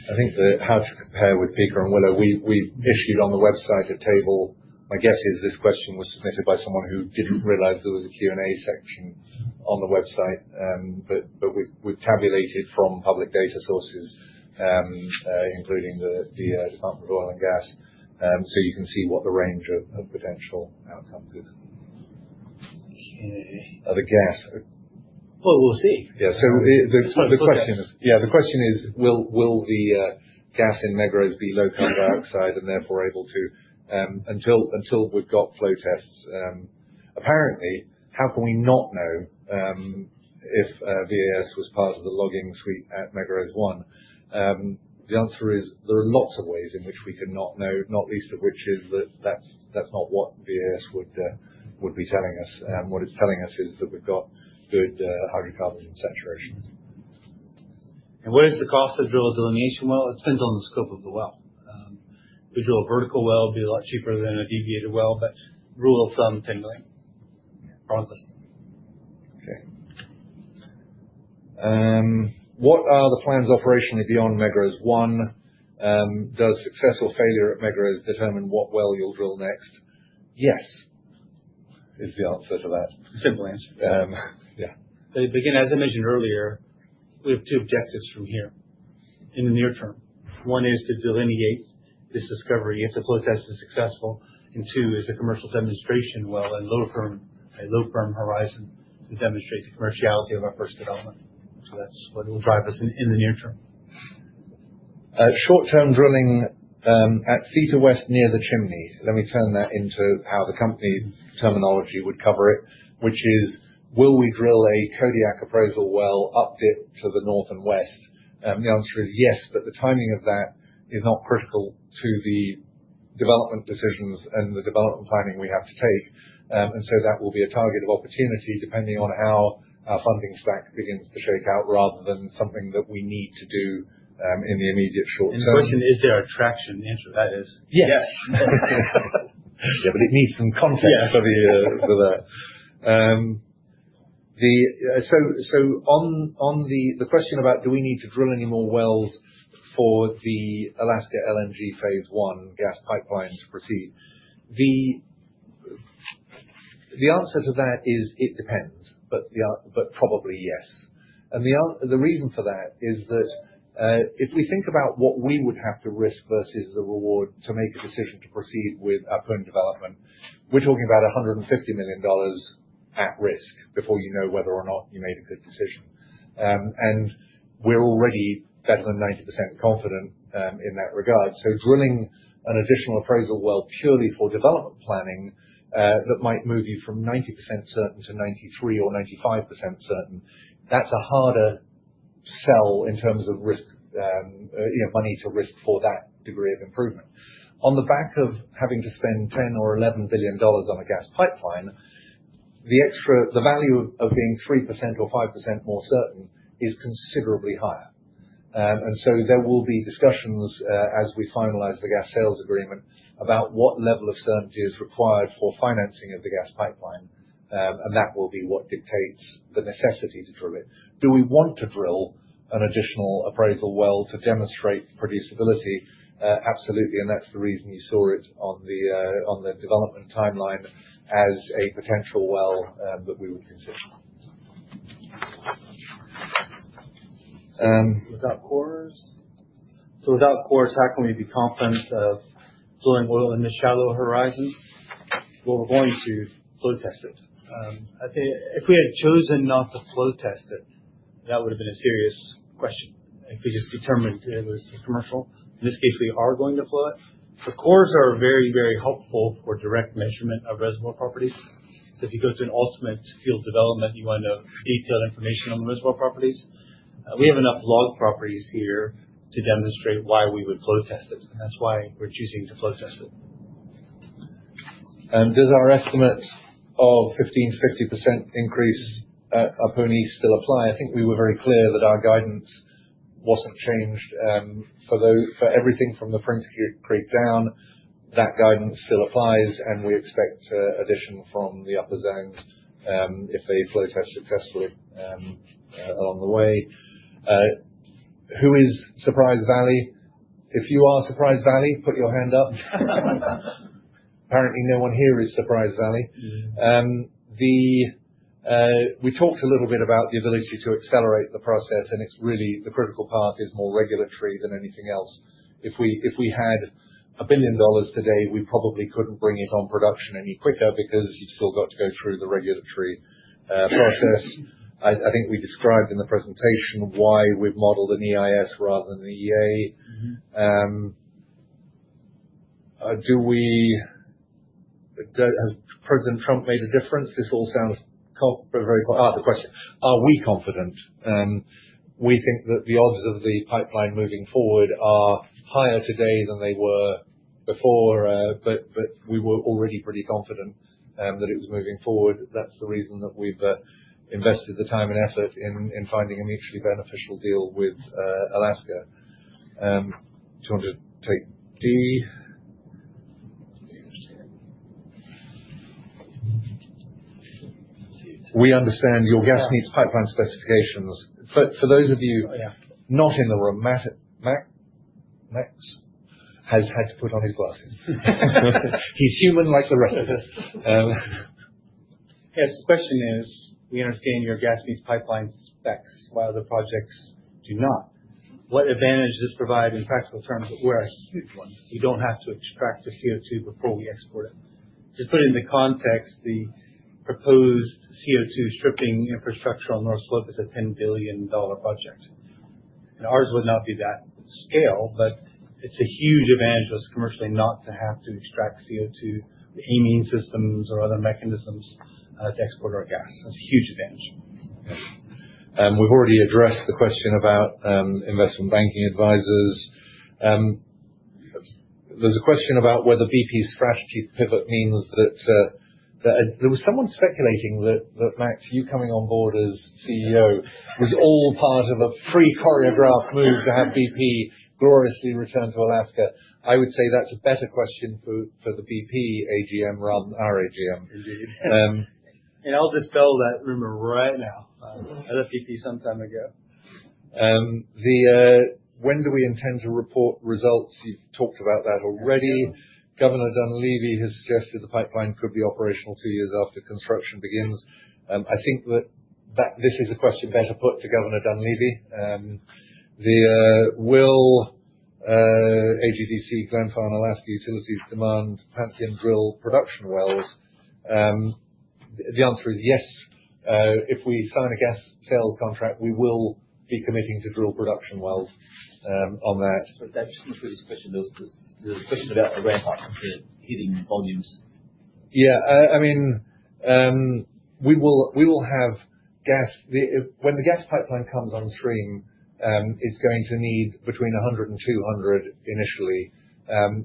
I think the way to compare with Pikka and Willow. We issued on the website a table. My guess is this question was submitted by someone who didn't realize there was a Q&A section on the website. We've tabulated from public data sources, including the Division of Oil and Gas, so you can see what the range of potential outcomes is. Okay. Of the gas. Well, we'll see. Yeah. The question is. Flow tests. Yeah. The question is, will the gas in Megrez be low carbon dioxide and therefore able to until we've got flow tests, apparently, how can we not know if [this] was part of the logging suite at Megrez-1? The answer is there are lots of ways in which we can not know, not least of which is that that's not what NMR would be telling us. What it's telling us is that we've got good hydrocarbon saturation. What is the cost to drill a delineation well? It depends on the scope of the well. To drill a vertical well would be a lot cheaper than a deviated well, but rule of thumb, $10 million approximately. Okay. What are the plans operationally beyond Megrez-1? Does success or failure at Megrez determine what well you'll drill next? Yes, is the answer to that. Simple answer. Yeah. Again, as I mentioned earlier, we have two objectives from here in the near term. One is to delineate this discovery if the flow test is successful. Two is a commercial demonstration well, a low perm horizon to demonstrate the commerciality of our first development. That's what will drive us in the near term. Short-term drilling at Theta West near the chimneys. Let me turn that into how the company terminology would cover it, which is, will we drill a Kodiak appraisal well up dip to the north and west? The answer is yes, but the timing of that is not critical to the development decisions and the development planning we have to take. That will be a target of opportunity depending on how our funding stack begins to shake out rather than something that we need to do in the immediate short term. The question, is there attraction? The answer to that is yes. Yes. Yeah, but it needs some context. Yeah. Over here for that. On the question about do we need to drill any more wells for the Alaska LNG phase one gas pipeline to proceed? The answer to that is it depends, but probably yes. The reason for that is that, if we think about what we would have to risk versus the reward to make a decision to proceed with our current development, we're talking about $150 million at risk before you know whether or not you made a good decision. And we're already better than 90% confident in that regard. Drilling an additional appraisal well purely for development planning that might move you from 90% certain to 93% or 95% certain. That's a harder sell in terms of risk, you know, money to risk for that degree of improvement. On the back of having to spend $10 billion-$11 billion on a gas pipeline, the value of being 3% or 5% more certain is considerably higher. There will be discussions as we finalize the gas sales agreement about what level of certainty is required for financing of the gas pipeline. That will be what dictates the necessity to drill it. Do we want to drill an additional appraisal well to demonstrate producibility? Absolutely. That's the reason you saw it on the development timeline as a potential well that we would consider. Without cores, how can we be confident of oil and oil in the shallow horizon? Well, we're going to flow test it. I think if we had chosen not to flow test it, that would have been a serious question, if we just determined it was commercial. In this case, we are going to flow it. The cores are very, very helpful for direct measurement of reservoir properties. If you go to an ultimate field development, you want to know detailed information on the reservoir properties. We have enough log properties here to demonstrate why we would flow test it. That's why we're choosing to flow test it. Does our estimate of 15%-50% increase at Ahpun East still apply? I think we were very clear that our guidance wasn't changed for everything from the Prince Creek down. That guidance still applies, and we expect addition from the upper zones if they flow test successfully along the way. Who is Surprise Valley? If you are Surprise Valley, put your hand up. Apparently, no one here is Surprise Valley. Mm-hmm. We talked a little bit about the ability to accelerate the process, and it's really the critical part is more regulatory than anything else. If we had $1 billion today, we probably couldn't bring it on production any quicker because you've still got to go through the regulatory process. I think we described in the presentation why we've modeled an EIS rather than an EA. Mm-hmm. Has President Trump made a difference? The question is, are we confident? We think that the odds of the pipeline moving forward are higher today than they were before, but we were already pretty confident that it was moving forward. That's the reason that we've invested the time and effort in finding a mutually beneficial deal with Alaska. Do you want to take D? We understand your gas needs pipeline specifications. For those of you- Oh, yeah. Not in the room. Matt, Max has had to put on his glasses. He's human like the rest of us. Yes. The question is, we understand your gas meets pipeline specs, while other projects do not. What advantage does it provide in practical terms of where our sweet spot? You don't have to extract the CO2 before we export it. To put it into context, the proposed CO2 stripping infrastructure on North Slope is a $10 billion project. Ours would not be that scale, but it's a huge advantage commercially not to have to extract CO2 with amine systems or other mechanisms to export our gas. That's a huge advantage. We've already addressed the question about investment banking advisors. There's a question about whether BP's strategy pivot means that there was someone speculating that Max, you coming on board as CEO was all part of a pre-choreographed move to have BP gloriously return to Alaska. I would say that's a better question for the BP AGM rather than our AGM. Indeed. Um. I'll dispel that rumor right now. I left BP some time ago. When do we intend to report results? You've talked about that already. Governor Dunleavy has suggested the pipeline could be operational two years after construction begins. I think that this is a question better put to Governor Dunleavy. Will AGDC, Glenfarne, Alaska Utilities demand Pantheon drill production wells? The answer is yes. If we sign a gas sales contract, we will be committing to drill production wells on that. That's just really the question, though. The question about the ramp-up and the hitting volumes Yeah. I mean, we will have gas. When the gas pipeline comes on stream, it's going to need between 100 and 200 initially.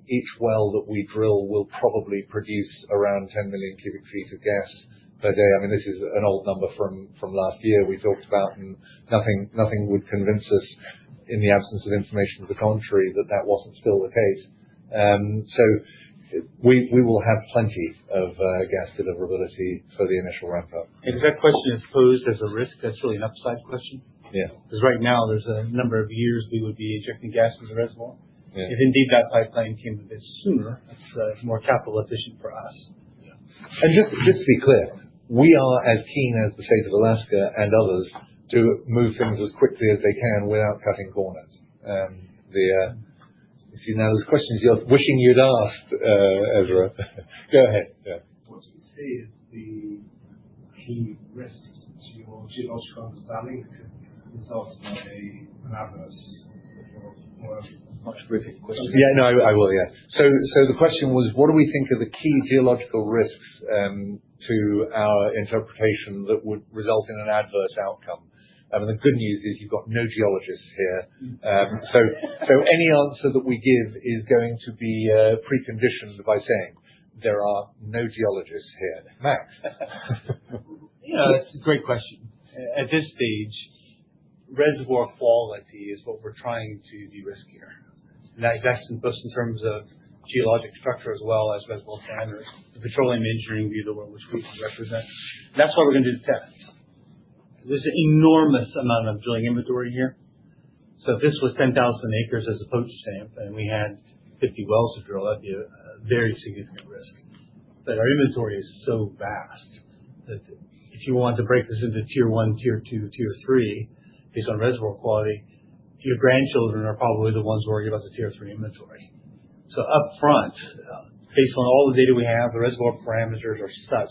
Each well that we drill will probably produce around 10 million cubic feet of gas per day. I mean, this is an old number from last year we talked about, and nothing would convince us in the absence of information to the contrary that that wasn't still the case. We will have plenty of gas deliverability for the initial ramp up. If that question is posed as a risk, that's really an upside question? Yeah. 'Cause right now there's a number of years we would be injecting gas as a reservoir. Yeah. If indeed that pipeline came a bit sooner, it's more capital efficient for us. Just to be clear, we are as keen as the state of Alaska and others to move things as quickly as they can without cutting corners. I see now there's questions you're wishing you'd asked, Ezra. Go ahead. Yeah. What would you say is the key risks to your geological understanding that can result in an adverse. If you're more much briefly question. Yeah, no, I will. Yeah. The question was, what do we think are the key geological risks to our interpretation that would result in an adverse outcome? The good news is you've got no geologists here. Any answer that we give is going to be preconditioned by saying there are no geologists here. Max. It's a great question. At this stage, reservoir quality is what we're trying to de-risk here. That's both in terms of geologic structure as well as reservoir standards. Petroleum engineering will be the one which we can represent. That's why we're gonna do the test. There's an enormous amount of drilling inventory here. If this was 10,000 acres as a postage stamp, and we had 50 wells to drill, that'd be a very significant risk. Our inventory is so vast that if you want to break this into tier one, tier two, tier three based on reservoir quality, your grandchildren are probably the ones worrying about the tier three inventory. Up front, based on all the data we have, the reservoir parameters are such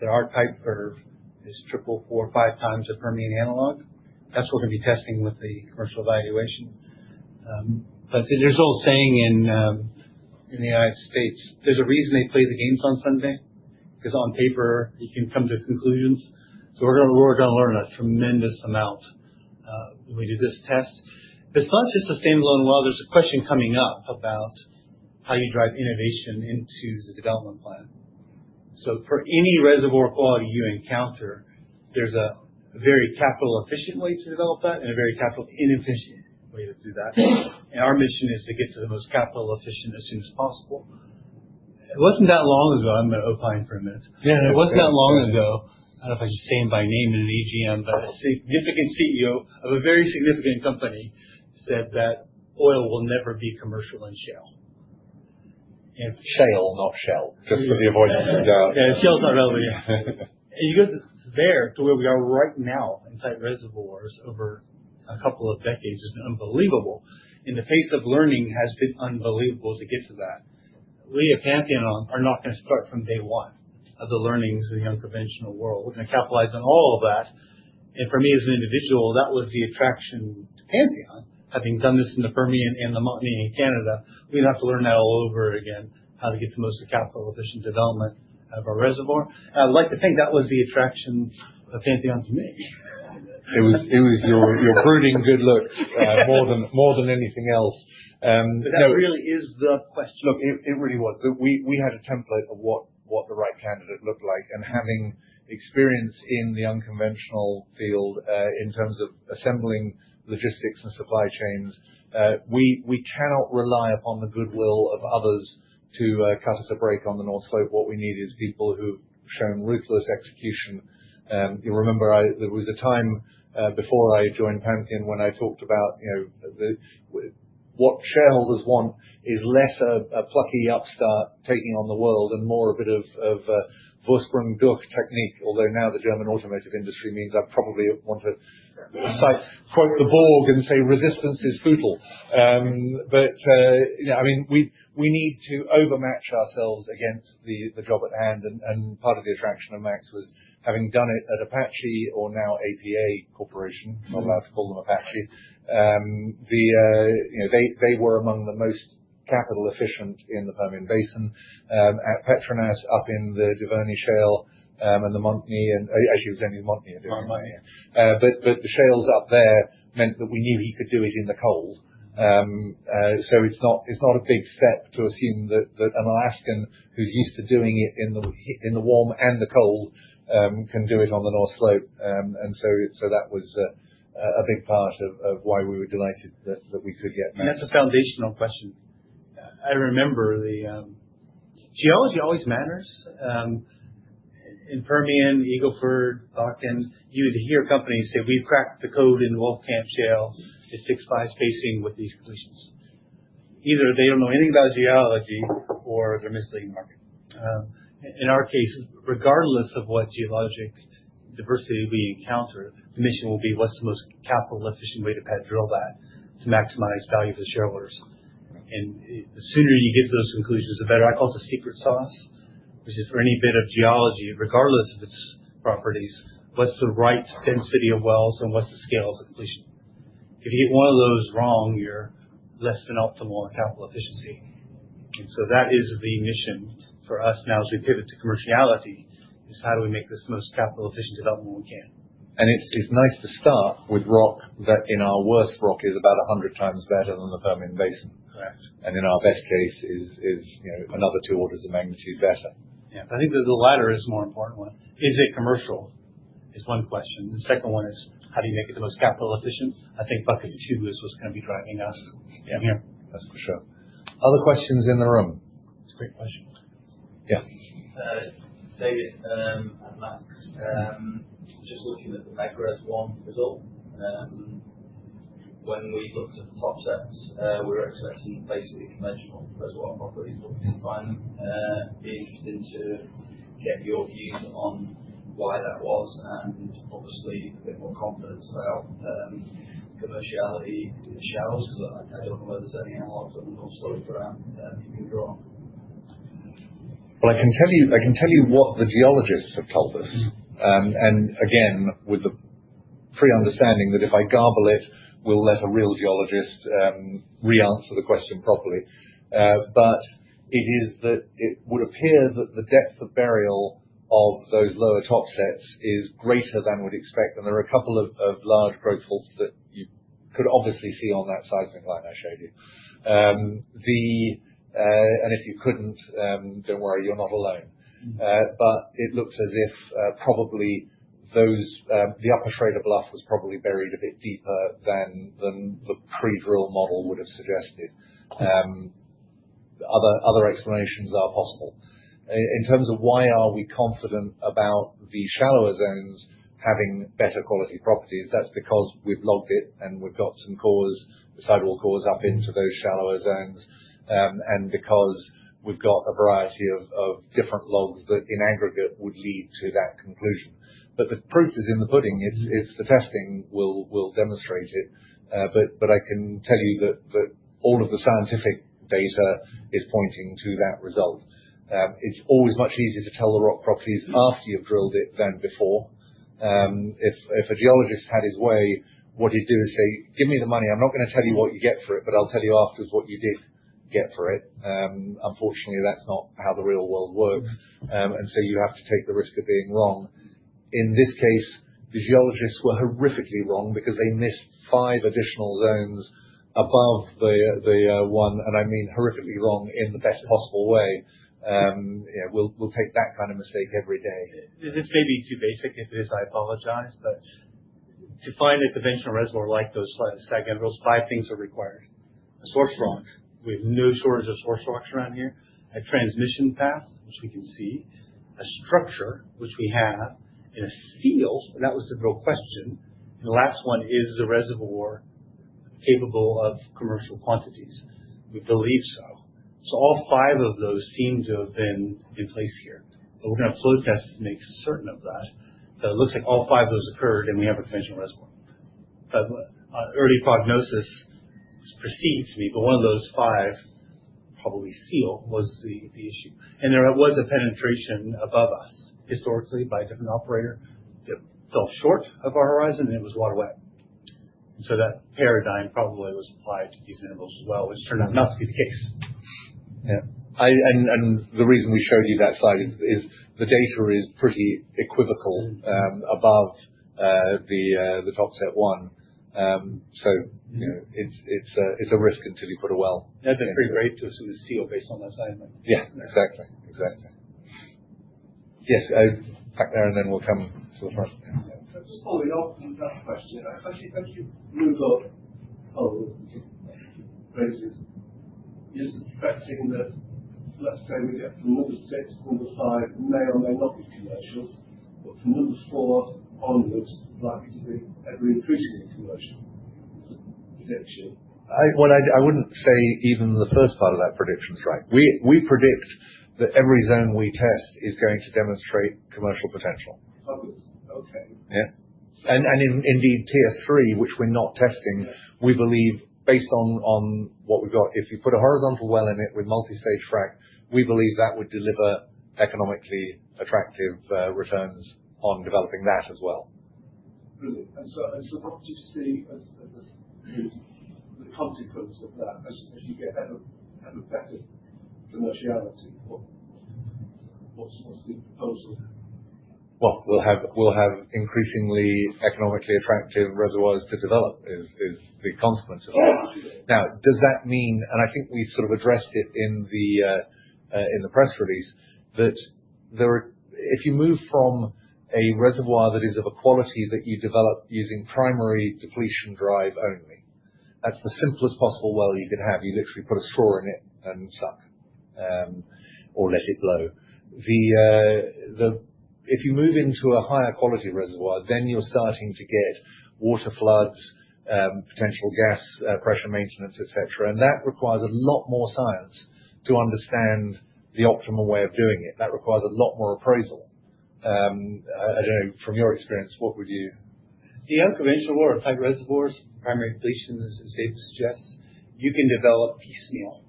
that our type curve is three, four, 5x the Permian analog. That's what we're gonna be testing with the commercial evaluation. There's an old saying in the United States, there's a reason they play the games on Sunday, 'cause on paper you can come to conclusions. We're gonna learn a tremendous amount when we do this test. As long as it sustains oil and well, there's a question coming up about how you drive innovation into the development plan. For any reservoir quality you encounter, there's a very capital efficient way to develop that and a very capital inefficient way to do that. Our mission is to get to the most capital efficient as soon as possible. It wasn't that long ago. I'm gonna opine for a minute. Yeah. It wasn't that long ago. I don't know if I should say him by name in an AGM, but a significant CEO of a very significant company said that oil will never be commercial in [shale]. Yeah. Shale, not Shell. Just for the avoidance of doubt. Yeah. Shell's not relevant. You go from there to where we are right now inside reservoirs over a couple of decades is unbelievable. The pace of learning has been unbelievable to get to that. We at Pantheon are not gonna start from day one of the learnings of the unconventional world. We're gonna capitalize on all of that. For me as an individual, that was the attraction to Pantheon. Having done this in the Permian and the Montney in Canada, we didn't have to learn that all over again, how to get the most out of capital efficient development of a reservoir. I'd like to think that was the attraction of Pantheon to me. It was your brooding good looks, more than anything else. That really is the question. Look, it really was. We had a template of what the right candidate looked like. Having experience in the unconventional field, in terms of assembling logistics and supply chains, we cannot rely upon the goodwill of others to cut us a break on the North Slope. What we need is people who've shown ruthless execution. You'll remember there was a time, before I joined Pantheon when I talked about, you know, what shareholders want is less a plucky upstart taking on the world and more a bit of Vorsprung durch Technik. Although now the German automotive industry means I probably want to quote the Borg and say, "Resistance is futile." You know, I mean, we need to overmatch ourselves against the job at hand. Part of the attraction of Max was having done it at Apache or now APA Corporation. Mm-hmm. Not allowed to call them Apache. You know, they were among the most capital efficient in the Permian Basin. At Petronas up in the Duvernay Shale and the Montney. I actually was only in Montney. I didn't go to Duvernay. But the shales up there meant that we knew he could do it in the cold. So it's not a big step to assume that an Alaskan who's used to doing it in the warm and the cold can do it on the North Slope. That was a big part of why we were delighted that we could get Max. That's a foundational question. I remember the geology always matters. In Permian, Eagle Ford, Bakken, you would hear companies say, "We've cracked the code in Wolfcamp Shale. It's six by spacing with these completions." Either they don't know anything about geology or they're misleading the market. In our case, regardless of what geologic diversity we encounter, the mission will be what's the most capital efficient way to pad drill that to maximize value for shareholders. The sooner you get to those conclusions, the better. I call it the secret sauce, which is for any bit of geology, regardless of its properties, what's the right density of wells and what's the scale of the completion? If you get one of those wrong, you're less than optimal in capital efficiency. That is the mission for us now as we pivot to commerciality, is how do we make this the most capital efficient development we can. It's nice to start with rock that in our worst rock is about 100 times better than the Permian Basin. Correct. In our best case is, you know, another two orders of magnitude better. Yeah. I think that the latter is the more important one. Is it commercial? That's one question. The second one is, how do you make it the most capital-efficient? I think bucket two is what's gonna be driving us down here. That's for sure. Other questions in the room? It's a great question. Yeah. David and Max, just looking at the Pikka-1 result. When we looked at the topsets, we were expecting basically conventional reservoir properties, but we didn't find them. It'd be interesting to get your views on why that was and obviously a bit more confidence about commerciality in the shallows because I don't know whether there's any analogs or historical data you can draw on? Well, I can tell you what the geologists have told us. Again, with the pre-understanding that if I garble it, we'll let a real geologist re-answer the question properly. It is that it would appear that the depth of burial of those lower topsets is greater than we'd expect. There are a couple of large growth faults that you could obviously see on that seismic line I showed you. If you couldn't, don't worry, you're not alone. It looks as if probably those the upper Torok Formation was probably buried a bit deeper than the pre-drill model would have suggested. Other explanations are possible. In terms of why we are confident about the shallower zones having better quality properties, that's because we've logged it and we've got some cores, the sidewall cores up into those shallower zones. Because we've got a variety of different logs that in aggregate would lead to that conclusion. The proof is in the pudding. It's the testing will demonstrate it. I can tell you that all of the scientific data is pointing to that result. It's always much easier to tell the rock properties after you've drilled it than before. If a geologist had his way, what he'd do is say, "Give me the money. I'm not gonna tell you what you get for it, but I'll tell you afterwards what you did get for it." Unfortunately, that's not how the real world works. You have to take the risk of being wrong. In this case, the geologists were horrifically wrong because they missed five additional zones above the one. I mean horrifically wrong in the best possible way. You know, we'll take that kind of mistake every day. This may be too basic. If it is, I apologize. To find a conventional reservoir like those, like those five things are required. A source rock. We have no shortage of source rocks around here. A transmission path, which we can see. A structure, which we have. A seal, and that was the real question. The last one is the reservoir capable of commercial quantities? We believe so. All five of those seem to have been in place here. We're gonna flow test to make certain of that. It looks like all five of those occurred, and we have a potential reservoir. Early prognosis precedes me, but one of those five, probably seal, was the issue. There was a penetration above us historically by a different operator that fell short of our horizon, and it was water wet. that paradigm probably was applied to these intervals as well, which turned out not to be the case. Yeah. The reason we showed you that slide is the data is pretty equivocal above the topset one. You know, it's a risk until you put a well. They've been pretty great to us with the seal based on that seismic. Yeah. Exactly. Yes, back there and then we'll come to the front. Just following up on that question. As you move up those phases, is it expected that, let's say we get from number six to number five may or may not be commercial, but from number four onwards likely to be ever-increasing commercial potential? What I wouldn't say even the first part of that prediction is right. We predict that every zone we test is going to demonstrate commercial potential. Okay. Yeah. Indeed tier three, which we're not testing, we believe based on what we've got, if you put a horizontal well in it with multi-stage frack, we believe that would deliver economically attractive returns on developing that as well. Brilliant. What do you see as the consequence of that as you get better, have a better commerciality? What's the proposal? Well, we'll have increasingly economically attractive reservoirs to develop is the consequence of that. Yeah. I think we've sort of addressed it in the press release. If you move from a reservoir that is of a quality that you develop using primary depletion drive only, that's the simplest possible well you can have. You literally put a straw in it and suck or let it blow. If you move into a higher quality reservoir, then you're starting to get water floods, potential gas pressure maintenance, et cetera. That requires a lot more science to understand the optimal way of doing it. That requires a lot more appraisal. I don't know, from your experience, what would you? The unconventional or tight reservoirs, primary depletion, as [he] suggests, you can develop piecemeal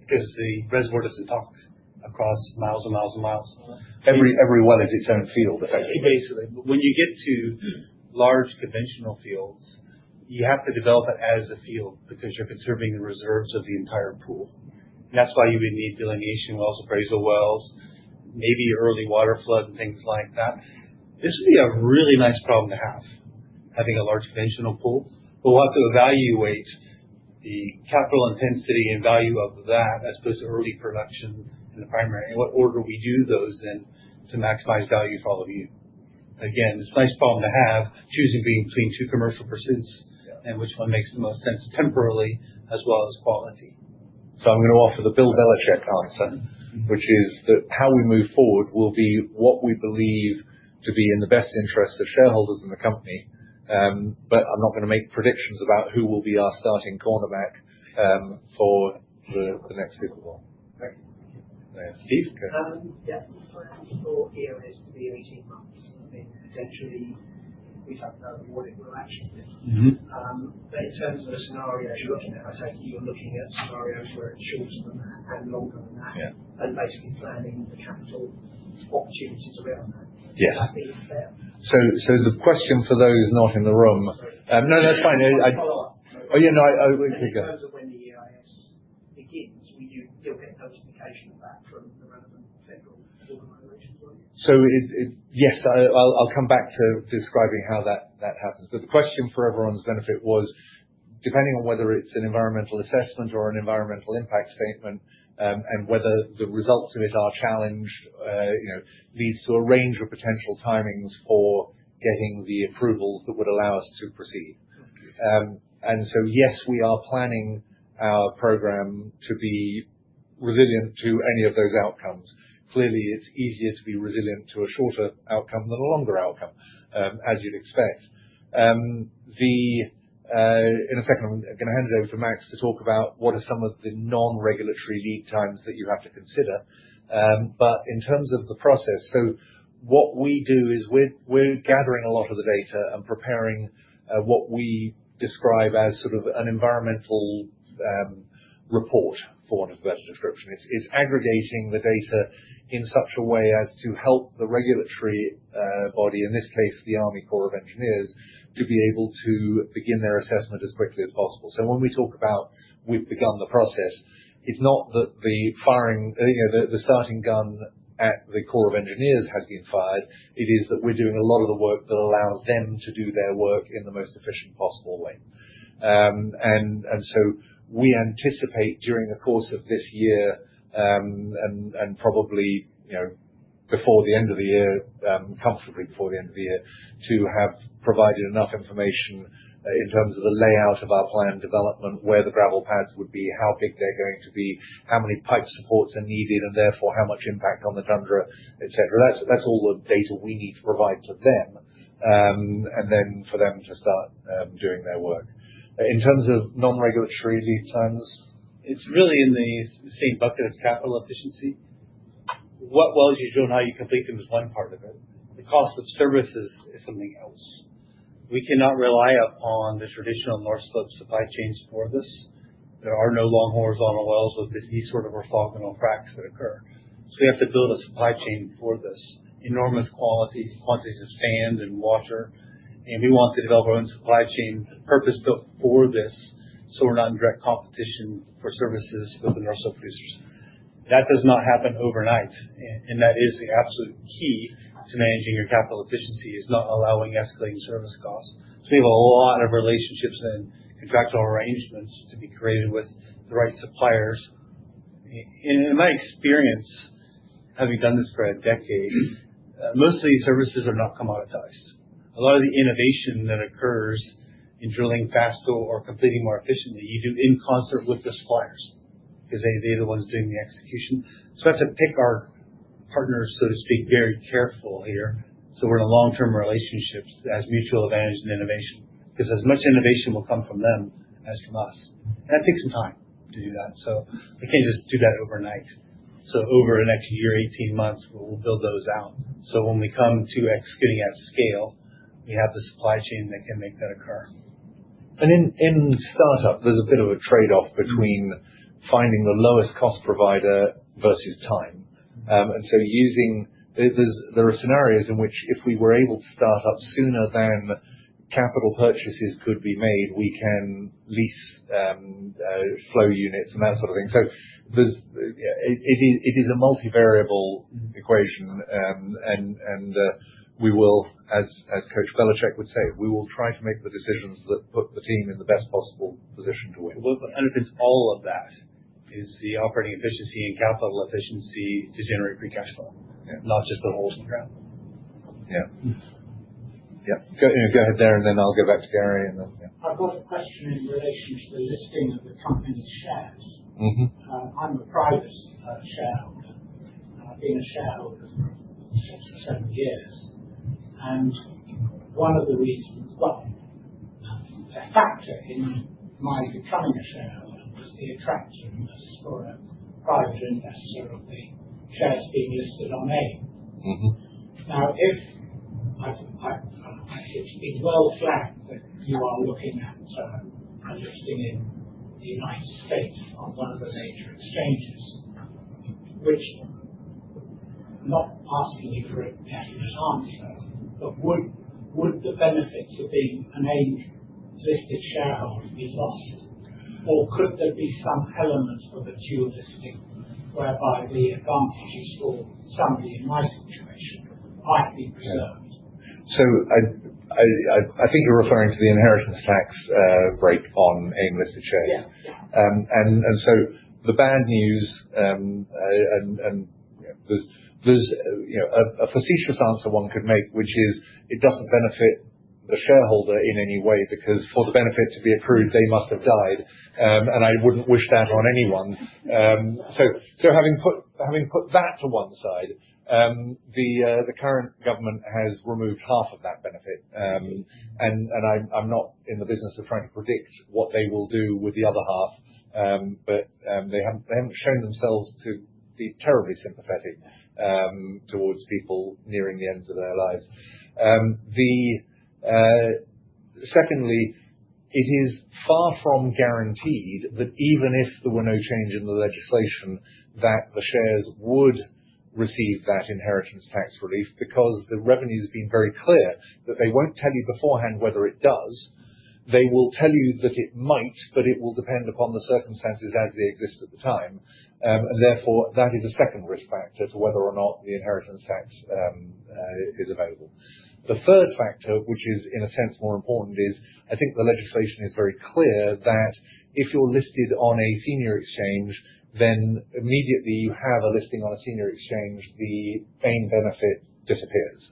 because the reservoir doesn't talk across miles and miles and miles. Every well is its own field, effectively. Basically. When you get to large conventional fields, you have to develop it as a field because you're conserving the reserves of the entire pool. That's why you would need delineation wells, appraisal wells, maybe early waterflood and things like that. This would be a really nice problem to have, having a large conventional pool. We'll have to evaluate the capital intensity and value of that as opposed to early production in the primary, and what order we do those in to maximize value for all of you. Again, it's a nice problem to have, choosing between two commercial pursuits. Yeah. Which one makes the most sense temporally as well as quality. I'm gonna offer the Bill Belichick answer, which is that how we move forward will be what we believe to be in the best interest of shareholders in the company. I'm not gonna make predictions about who will be our starting cornerback for the next football. Thank you. Yeah. Steve? Yeah. The planning thought here is to be 18 months. I mean, potentially we don't know what it will actually be. Mm-hmm. In terms of the scenarios you're looking at, I take it you're looking at scenarios where it's shorter than that and longer than that? Yeah. Basically planning the capital opportunities around that. Yeah. Is that fair? The question for those not in the room. Sorry. No, that's fine. Follow up. Oh, yeah, no. Oh, you go. In terms of when the EIS begins, will you still get notification of that from the relevant federal organizations, will you? Yes, I'll come back to describing how that happens. The question for everyone's benefit was, depending on whether it's an environmental assessment or an environmental impact statement, and whether the results of it are challenged, you know, leads to a range of potential timings for getting the approvals that would allow us to proceed. Yes, we are planning our program to be resilient to any of those outcomes. Clearly, it's easier to be resilient to a shorter outcome than a longer outcome, as you'd expect. In a second, I'm gonna hand it over to Max to talk about what are some of the non-regulatory lead times that you have to consider. In terms of the process, what we do is we're gathering a lot of the data and preparing what we describe as sort of an environmental report for want of a better description. It's aggregating the data in such a way as to help the regulatory body, in this case, the U.S. Army Corps of Engineers, to be able to begin their assessment as quickly as possible. When we talk about we've begun the process, it's not that the firing you know the starting gun at the U.S. Army Corps of Engineers has been fired. It is that we're doing a lot of the work that allows them to do their work in the most efficient possible way. We anticipate during the course of this year, probably, you know, before the end of the year, comfortably before the end of the year, to have provided enough information in terms of the layout of our planned development, where te gravel pads would be, how big they're going to be, how many pipe supports are needed, and therefore how much impact on the tundra et cetera. That's all the data we need to provide to them, and then for them to start doing their work. In terms of non-regulatory lead times. It's really in the same bucket as capital efficiency. What wells you drill and how you complete them is one part of it. The cost of services is something else. We cannot rely upon the traditional North Slope supply chains for this. There are no long horizontal wells with these sort of orthogonal fracs that occur. We have to build a supply chain for this. Enormous quantities of sand and water. We want to develop our own supply chain purpose-built for this, so we're not in direct competition for services with the North Slope producers. That does not happen overnight. And that is the absolute key to managing your capital efficiency, is not allowing escalating service costs. We have a lot of relationships and contractual arrangements to be created with the right suppliers. In my experience, having done this for a decade, most of these services are not commoditized. A lot of the innovation that occurs in drilling faster or completing more efficiently, you do in concert with the suppliers 'cause they're the ones doing the execution. We have to pick our partners, so to speak, very careful here so we're in long-term relationships that has mutual advantage and innovation. 'Cause as much innovation will come from them as from us. That takes some time to do that, so we can't just do that overnight. Over the next year, 18 months, we'll build those out. When we come to executing at scale, we have the supply chain that can make that occur. In startup, there's a bit of a trade-off between finding the lowest cost provider versus time. There are scenarios in which if we were able to start up sooner than capital purchases could be made, we can lease flow units and that sort of thing. It is a multi-variable equation. We will, as Coach Belichick would say, "We will try to make the decisions that put the team in the best possible position to win. What underpins all of that is the operating efficiency and capital efficiency to generate free cash flow. Yeah. Not just the holes in the ground. Yeah. Go ahead, Darren, and then I'll go back to Gary, and then, yeah. I've got a question in relation to the listing of the company's shares. Mm-hmm. I'm a private shareholder. I've been a shareholder for six or seven years, and one of the reasons a factor in my becoming a shareholder was the attraction, at least for a private investor, of the shares being listed on AIM. Mm-hmm. Now, I should be well aware that you are looking at a listing in the United States on one of the major exchanges. Which I'm not asking you for a definite answer, but would the benefits of being an AIM listed shareholder be lost? Or could there be some element of a dual listing whereby the advantages for somebody in my situation might be preserved? I think you're referring to the inheritance tax rate on AIM listed shares. Yeah. Yeah. The bad news is there's you know a facetious answer one could make, which is it doesn't benefit the shareholder in any way because for the benefit to be accrued, they must have died. I wouldn't wish that on anyone. Having put that to one side, the current government has removed half of that benefit. I'm not in the business of trying to predict what they will do with the other half. They haven't shown themselves to be terribly sympathetic towards people nearing the ends of their lives. Secondly, it is far from guaranteed that even if there were no change in the legislation, that the shares would receive that inheritance tax relief because the revenue's been very clear that they won't tell you beforehand whether it does. They will tell you that it might, but it will depend upon the circumstances as they exist at the time. Therefore, that is a second risk factor to whether or not the inheritance tax is available. The third factor, which is in a sense more important, is I think the legislation is very clear that if you're listed on a senior exchange, then immediately you have a listing on a senior exchange, the main benefit disappears.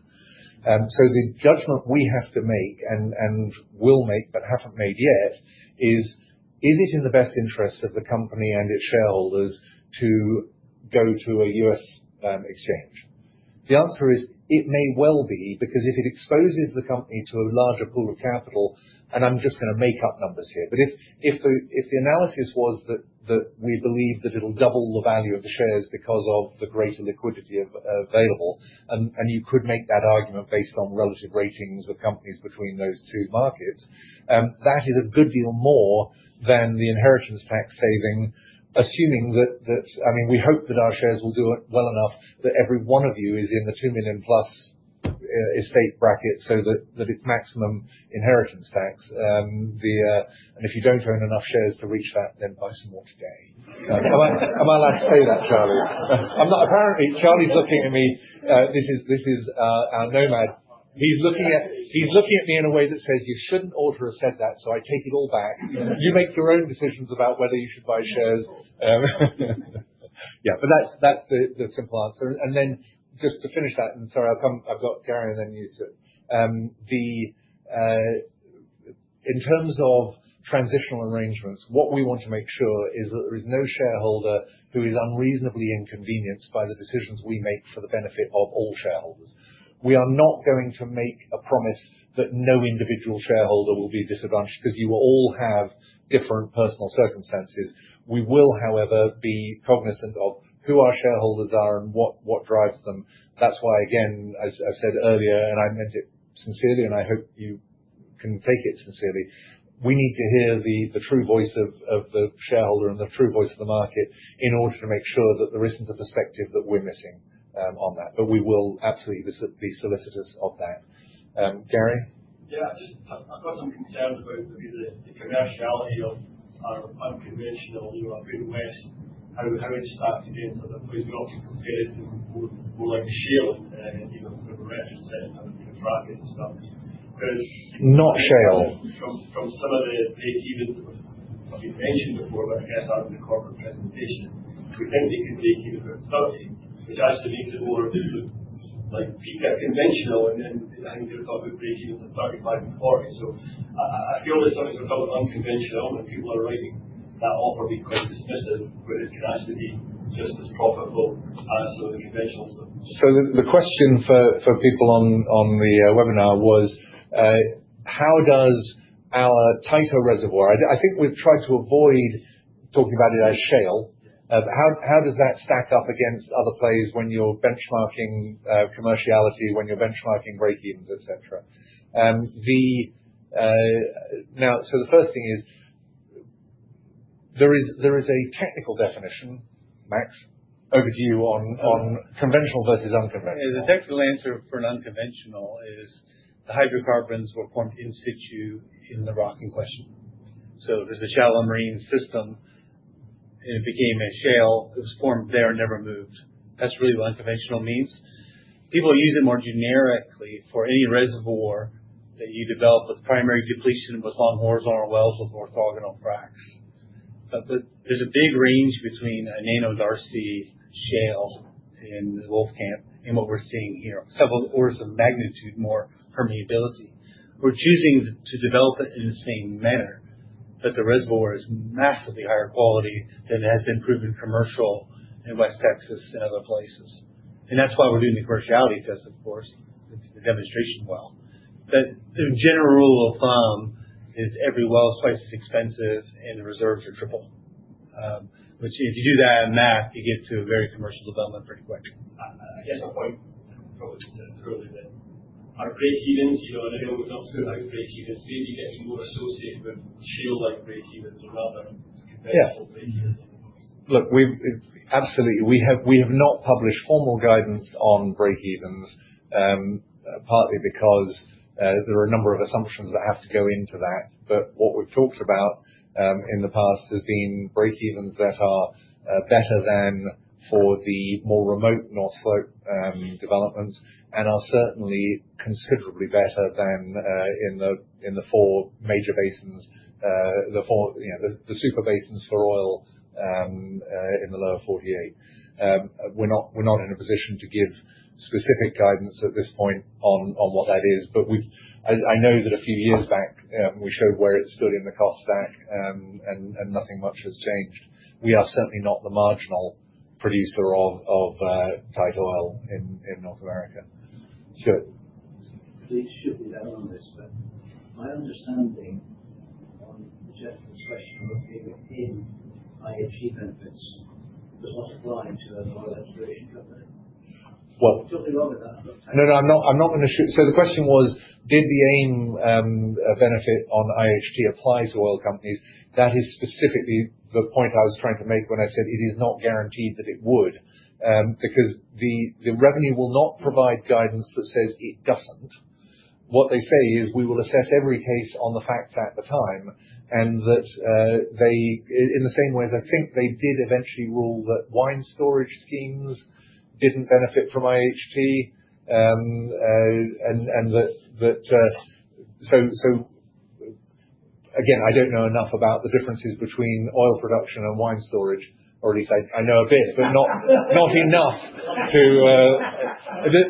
The judgment we have to make and will make, but haven't made yet is it in the best interest of the company and its shareholders to go to a U.S. exchange? The answer is it may well be, because if it exposes the company to a larger pool of capital, and I'm just gonna make up numbers here. If the analysis was that we believe that it'll double the value of the shares because of the greater liquidity of available, and you could make that argument based on relative ratings of companies between those two markets, that is a good deal more than the inheritance tax saving. Assuming that. I mean, we hope that our shares will do well enough that every one of you is in the 2 million-plus estate bracket so that it's maximum inheritance tax. If you don't own enough shares to reach that, then buy some more today. Am I allowed to say that, Charlie? I'm not. Apparently, Charlie's looking at me. This is our nomad. He's looking at me in a way that says, "You shouldn't ought to have said that." I take it all back. You make your own decisions about whether you should buy shares. Yeah. That's the simple answer. Then just to finish that, sorry, I've got Gary and then you, sir. In terms of transitional arrangements, what we want to make sure is that there is no shareholder who is unreasonably inconvenienced by the decisions we make for the benefit of all shareholders. We are not going to make a promise that no individual shareholder will be disadvantaged because you will all have different personal circumstances. We will, however, be cognizant of who our shareholders are and what drives them. That's why, again, as I said earlier, and I meant it sincerely, and I hope you can take it sincerely. We need to hear the true voice of the shareholder and the true voice of the market in order to make sure that there isn't a perspective that we're missing on that. But we will absolutely be solicitous of that. Gary? I've got some concerns about maybe the commerciality of our unconventional, you know, Ahpun West. How it stacks against other plays. We're not too concerned with more like shale, you know, sort of topset, you know, frack and stuff. Whereas Not shale. From some of the breakevens that have been mentioned before, but I guess out of the corporate presentation, we think they could break even at $30. Which actually makes it more lucrative, like Pikka conventional and then I think you're talking breakevens of $35 and $40. I feel as though it's sort of unconventional, and people are writing that off or being quite dismissive, but it can actually be just as profitable, so the conventional stuff. The question for people on the webinar was how does our tighter reservoir I think we've tried to avoid talking about it as shale but how does that stack up against other plays when you're benchmarking commerciality when you're benchmarking breakevens et cetera? The first thing is there is a technical definition. Max, over to you on conventional versus unconventional. Yeah. The technical answer for an unconventional is the hydrocarbons were formed in situ in the rock in question. So there's a shallow marine system, it became a shale. It was formed there and never moved. That's really what unconventional means. People use it more generically for any reservoir that you develop with primary depletion with long horizontal wells with orthogonal fracs. But there's a big range between a nanodarcy shale in Wolfcamp and what we're seeing here. Several orders of magnitude more permeability. We're choosing to develop it in the same manner, but the reservoir is massively higher quality than has been proven commercial in West Texas and other places. That's why we're doing the commerciality test, of course, with the demonstration well. The general rule of thumb is every well is twice as expensive and the reserves are triple. If you do that on that, you get to a very commercial development pretty quick. I guess my point probably then. Our breakevens, you know, and I know we've not put out breakevens. Maybe getting more associated with shale-like breakevens rather than- Yeah. Conventional break-evens. Look, it's absolutely we have not published formal guidance on break-evens. Partly because there are a number of assumptions that have to go into that. What we've talked about in the past has been break-evens that are better than for the more remote North Slope developments and are certainly considerably better than in the four major basins, the four super basins for oil in the lower 48. We're not in a position to give specific guidance at this point on what that is. I know that a few years back we showed where it stood in the cost stack and nothing much has changed. We are certainly not the marginal producer of tight oil in North America. Sure. Please shoot me down on this, but my understanding on the [Jeff question] appearing in IHT benefits does not apply to an oil exploration company. Well- Something wrong with that. No, I'm not gonna shoot. The question was, did the AIM benefit on IHT apply to oil companies? That is specifically the point I was trying to make when I said it is not guaranteed that it would. Because the revenue will not provide guidance that says it doesn't. What they say is, "We will assess every case on the facts at the time." That in the same way as I think they did eventually rule that wine storage schemes didn't benefit from IHT. Again, I don't know enough about the differences between oil production and wine storage. At least I know a bit, but not enough.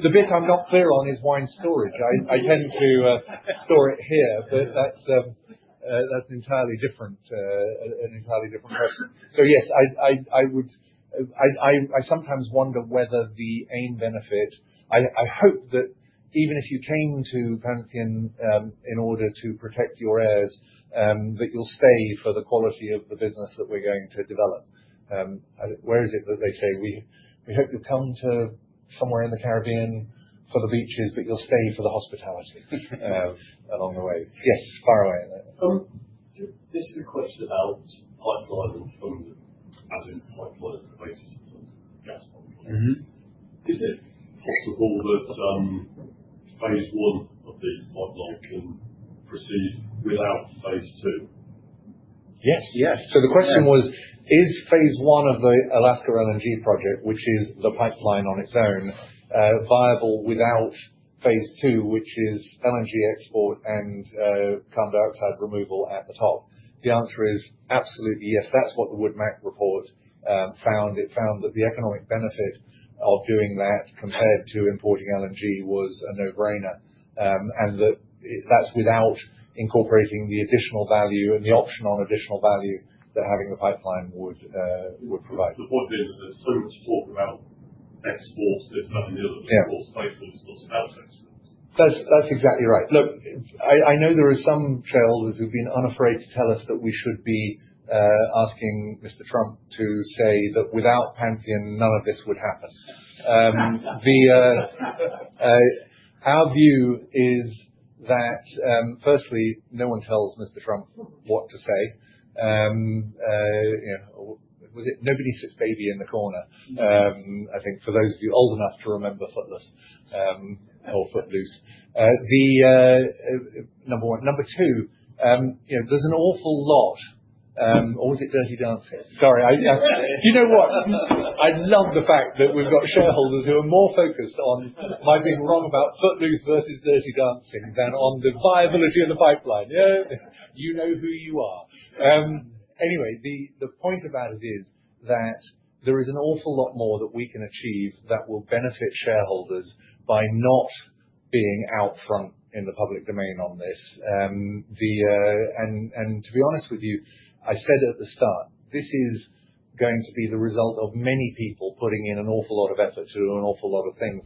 The bit I'm not clear on is wine storage. I tend to store it here, but that's an entirely different question. Yes, I would sometimes wonder whether the AIM benefit. I hope that even if you came to Pantheon, in order to protect your heirs, that you'll stay for the quality of the business that we're going to develop. Where is it that they say, "We hope you'll come to somewhere in the Caribbean for the beaches, but you'll stay for the hospitality along the way." Yes, fire away. Just a quick question about pipeline and funding, as in pipeline as the basis of gas pipeline? Mm-hmm. Is it possible that phase one of the pipeline can proceed without phase two? Yes. The question was: Is phase one of the Alaska LNG project, which is the pipeline on its own, viable without phase two, which is LNG export and carbon dioxide removal at the top? The answer is absolutely yes. That's what the Wood Mackenzie report found. It found that the economic benefit of doing that compared to importing LNG was a no-brainer. And that's without incorporating the additional value and the option on additional value that having a pipeline would provide. The point is that there's so much talk about exports. There's nothing in there that supports phase one is not about exports. That's exactly right. Look, I know there are some shareholders who've been unafraid to tell us that we should be asking Mr. Trump to say that without Pantheon, none of this would happen. Our view is that, firstly, no one tells Mr. Trump what to say. You know, was it, "Nobody puts Baby in the corner"? I think for those of you old enough to remember Footloose or Footloose. The number one. Number two, you know, there's an awful lot. Or was it Dirty Dancing? Sorry, You know what? I love the fact that we've got shareholders who are more focused on my being wrong about Footloose versus Dirty Dancing than on the viability of the pipeline. Yeah. You know who you are. The point about it is that there is an awful lot more that we can achieve that will benefit shareholders by not being out front in the public domain on this. To be honest with you, I said at the start, this is going to be the result of many people putting in an awful lot of effort to do an awful lot of things.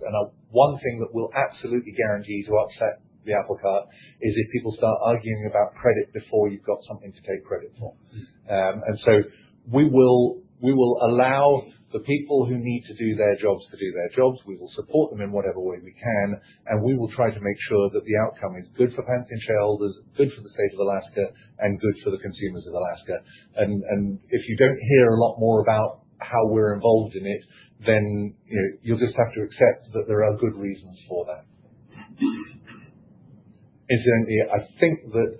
One thing that will absolutely guarantee to upset the apple cart is if people start arguing about credit before you've got something to take credit for. We will allow the people who need to do their jobs to do their jobs. We will support them in whatever way we can, and we will try to make sure that the outcome is good for Pantheon shareholders, good for the state of Alaska, and good for the consumers of Alaska. If you don't hear a lot more about how we're involved in it, then, you know, you'll just have to accept that there are good reasons for that. I think that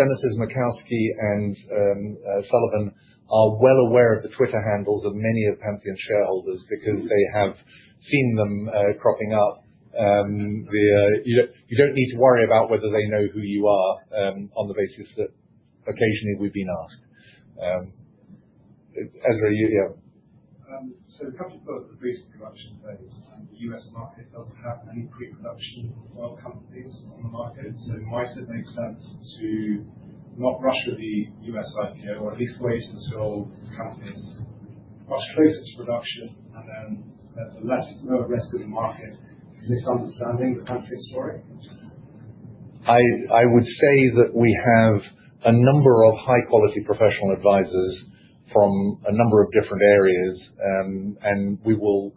Senators Murkowski and Sullivan are well aware of the Twitter handles of many of Pantheon shareholders because they have seen them cropping up. You don't need to worry about whether they know who you are on the basis that occasionally we've been asked. Ezra, yeah. A couple of recent production phase and the U.S. market doesn't have any pre-production oil companies on the market. Might it make sense to not rush with the U.S. IPO, or at least wait until companies much closer to production? Alas, more risk to the market misunderstanding the company's story? I would say that we have a number of high quality professional advisors from a number of different areas. We will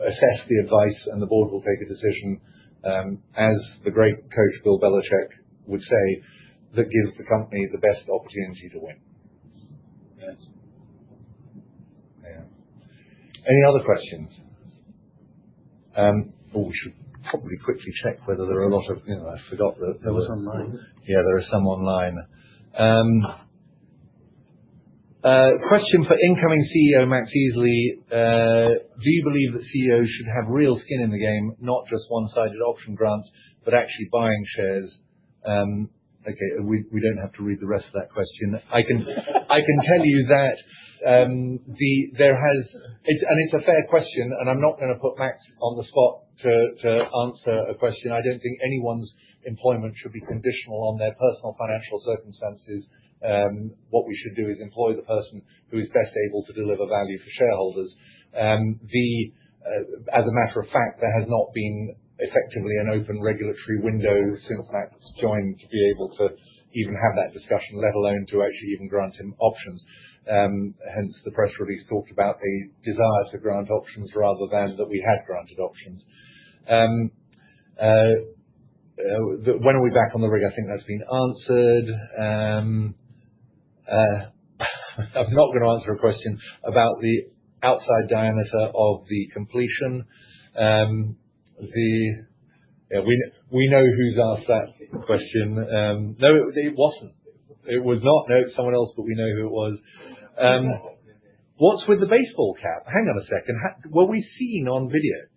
assess the advice, and the board will take a decision, as the great coach Bill Belichick would say, that gives the company the best opportunity to win. Yes. Yeah. Any other questions? Oh, we should probably quickly check whether there are a lot of, you know, I forgot that there were. There was online. Yeah, there are some online. Question for incoming CEO, Max Easley. Do you believe that CEOs should have real skin in the game, not just one-sided option grants, but actually buying shares? Okay. We don't have to read the rest of that question. I can tell you that it's a fair question, and I'm not gonna put Max on the spot to answer a question. I don't think anyone's employment should be conditional on their personal financial circumstances. What we should do is employ the person who is best able to deliver value for shareholders. As a matter of fact, there has not been effectively an open regulatory window since Max joined to be able to even have that discussion, let alone to actually even grant him options. Hence, the press release talked about a desire to grant options rather than that we had granted options. When are we back on the rig? I think that's been answered. I'm not gonna answer a question about the outside diameter of the completion. Yeah, we know who's asked that question. No, it wasn't. It was not. No, it's someone else, but we know who it was. What's with the baseball cap? Hang on a second. Were we seen on video?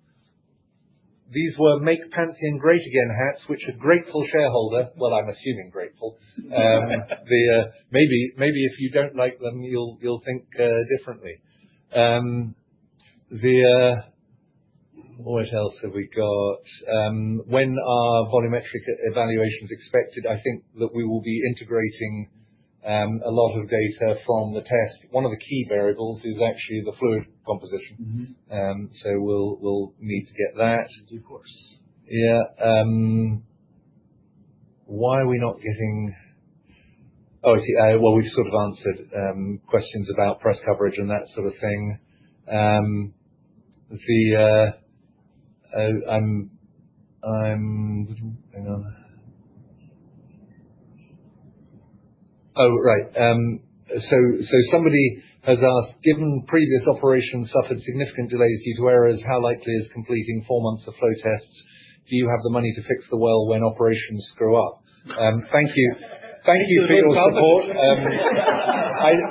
These were Make Pantheon Great Again hats, which a grateful shareholder, well, I'm assuming grateful. Maybe if you don't like them, you'll think differently. What else have we got? When are volumetric evaluations expected? I think that we will be integrating a lot of data from the test. One of the key variables is actually the fluid composition. Mm-hmm. We'll need to get that. Of course. Yeah. Well, we've sort of answered questions about press coverage and that sort of thing. Somebody has asked, given previous operations suffered significant delays due to weather, how likely is completing four months of flow tests? Do you have the money to fix the well when operations screw up? Thank you. Thank you for your support.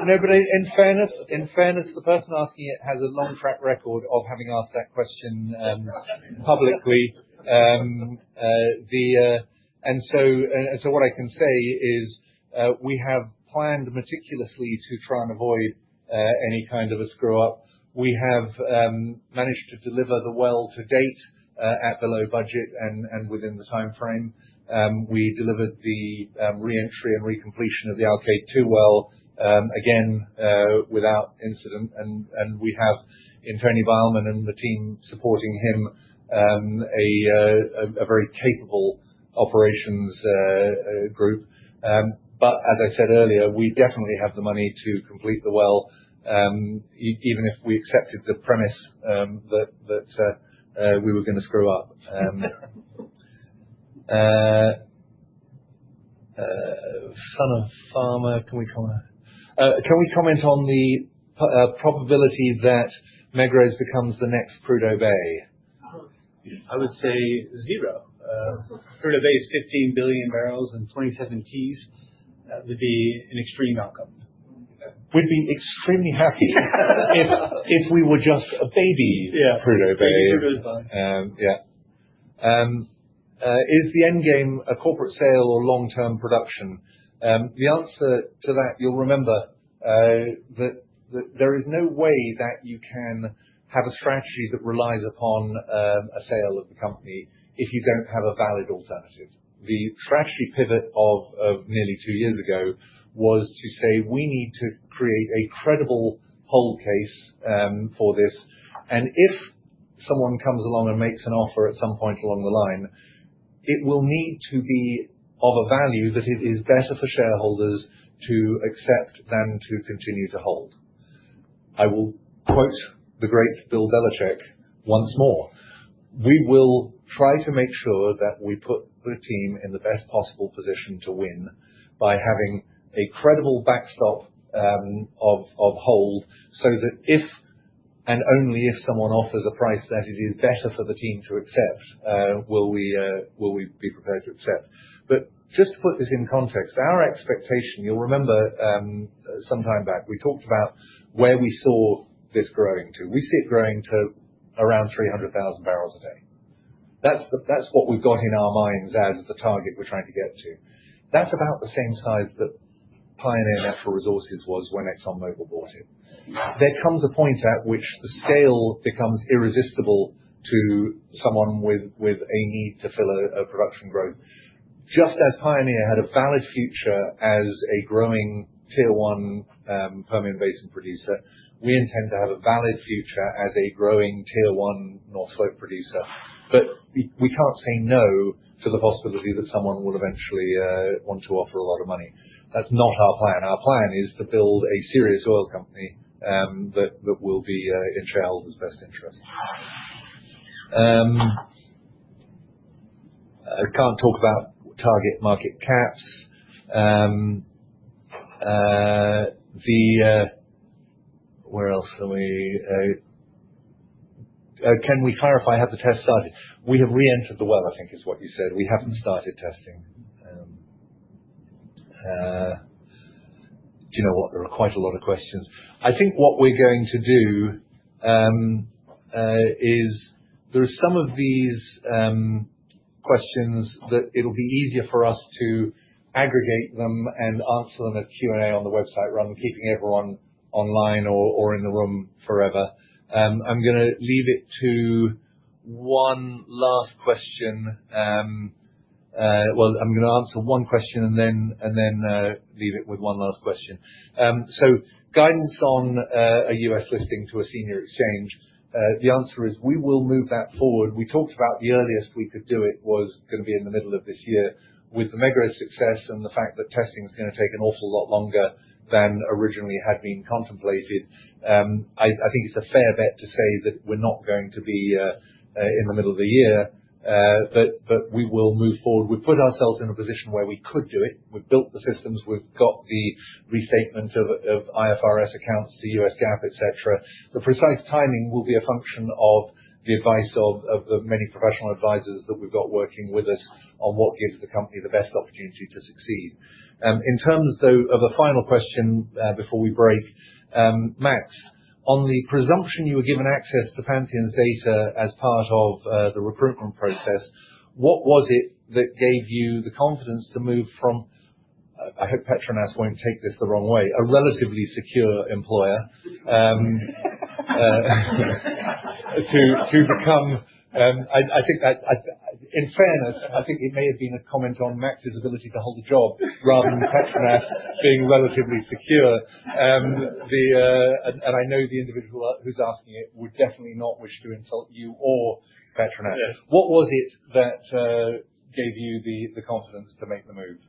No, but in fairness, the person asking it has a long track record of having asked that question publicly. What I can say is, we have planned meticulously to try and avoid any kind of a screw up. We have managed to deliver the well to date at below budget and within the timeframe. We delivered the re-entry and recompletion of the Alkaid-2 well again without incident. We have in Tony Beilman and the team supporting him a very capable operations group. As I said earlier, we definitely have the money to complete the well even if we accepted the premise that we were gonna screw up. Farmer, can we comment on the probability that Megrez becomes the next Prudhoe Bay? I would say zero. Prudhoe Bay is 15 billion barrels and 27 Tcf. That would be an extreme outcome. We'd be extremely happy if we were just a baby. Yeah. Prudhoe Bay. Prudhoe Bay. Yeah. Is the end game a corporate sale or long-term production? The answer to that, you'll remember, that there is no way that you can have a strategy that relies upon a sale of the company if you don't have a valid alternative. The strategy pivot of nearly two years ago was to say, "We need to create a credible hold case for this. If someone comes along and makes an offer at some point along the line, it will need to be of a value that it is better for shareholders to accept than to continue to hold." I will quote the great Bill Belichick once more. We will try to make sure that we put the team in the best possible position to win by having a credible backstop of hold, so that if and only if someone offers a price that it is better for the team to accept, will we be prepared to accept. Just to put this in context, our expectation, you'll remember, some time back, we talked about where we saw this growing to. We see it growing to around 300,000 barrels a day. That's what we've got in our minds as the target we're trying to get to. That's about the same size that Pioneer Natural Resources was when ExxonMobil bought it. There comes a point at which the scale becomes irresistible to someone with a need to fill a production growth. Just as Pioneer had a valid future as a growing tier one Permian Basin producer, we intend to have a valid future as a growing tier one North Slope producer. We can't say no to the possibility that someone will eventually want to offer a lot of money. That's not our plan. Our plan is to build a serious oil company that will be in shareholders' best interest. I can't talk about target market caps. Where else are we? Can we clarify, have the tests started? We have reentered the well, I think is what you said. We haven't started testing. Do you know what? There are quite a lot of questions. I think what we're going to do is there are some of these questions that it'll be easier for us to aggregate them and answer them at Q&A on the website rather than keeping everyone online or in the room forever. I'm gonna leave it to one last question. Well, I'm gonna answer one question and then leave it with one last question. Guidance on a U.S. listing to a senior exchange. The answer is we will move that forward. We talked about the earliest we could do it was gonna be in the middle of this year. With the Megrez success and the fact that testing's gonna take an awful lot longer than originally had been contemplated, I think it's a fair bet to say that we're not going to be in the middle of the year. We will move forward. We've put ourselves in a position where we could do it. We've built the systems, we've got the restatement of IFRS accounts to U.S. GAAP, et cetera. The precise timing will be a function of the advice of the many professional advisors that we've got working with us on what gives the company the best opportunity to succeed. In terms, though, of a final question before we break. Max, on the presumption you were given access to Pantheon's data as part of the recruitment process, what was it that gave you the confidence to move from, I hope Petronas won't take this the wrong way, a relatively secure employer, to become. I think that in fairness, I think it may have been a comment on Max's ability to hold a job rather than Petronas being relatively secure. I know the individual who's asking it would definitely not wish to insult you or Petronas. Yes. What was it that gave you the confidence to make the move?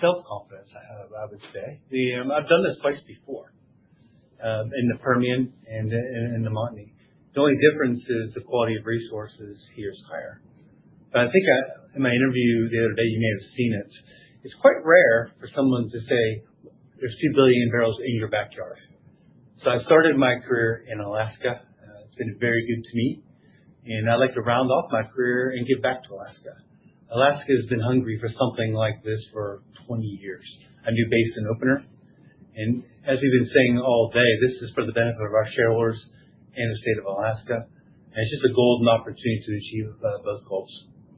Self-confidence, I would say. I've done this twice before in the Permian and in the Montney. The only difference is the quality of resources here is higher. I think in my interview the other day you may have seen it. It's quite rare for someone to say there's 2 billion barrels in your backyard. I started my career in Alaska. It's been very good to me and I'd like to round off my career and give back to Alaska. Alaska has been hungry for something like this for 20 years, a new basin opener. As we've been saying all day, this is for the benefit of our shareholders and the state of Alaska, and it's just a golden opportunity to achieve those goals.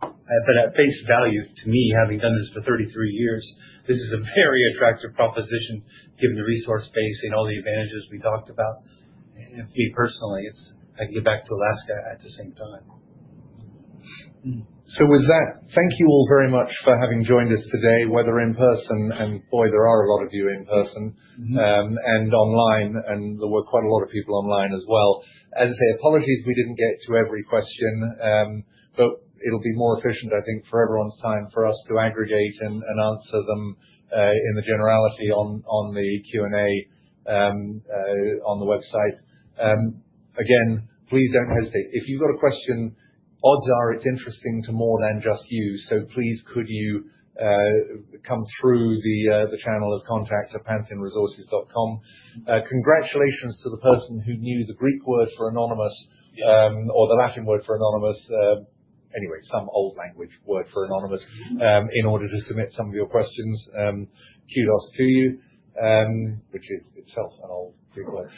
At face value to me, having done this for 33 years, this is a very attractive proposition given the resource base and all the advantages we talked about. Me personally, it's I can give back to Alaska at the same time. With that, thank you all very much for having joined us today, whether in person, and boy, there are a lot of you in person. Mm-hmm. Online, there were quite a lot of people online as well. As I say, apologies we didn't get to every question. It'll be more efficient, I think, for everyone's time for us to aggregate and answer them in the generality on the Q&A on the website. Again, please don't hesitate. If you've got a question, odds are it's interesting to more than just you. Please could you come through the channel of contacts at pantheonresources.com. Congratulations to the person who knew the Greek word for anonymous. Yeah. The Latin word for anonymous. Anyway, some old language word for anonymous. Mm-hmm. In order to submit some of your questions. Kudos to you, which is itself an old Greek word.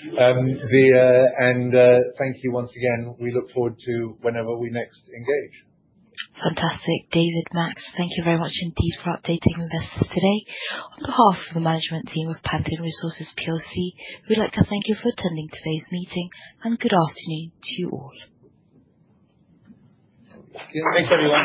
Thank you once again. We look forward to whenever we next engage. Fantastic. David, Max, thank you very much indeed for updating with us today. On behalf of the management team of Pantheon Resources plc, we'd like to thank you for attending today's meeting and good afternoon to you all. Thanks, everyone.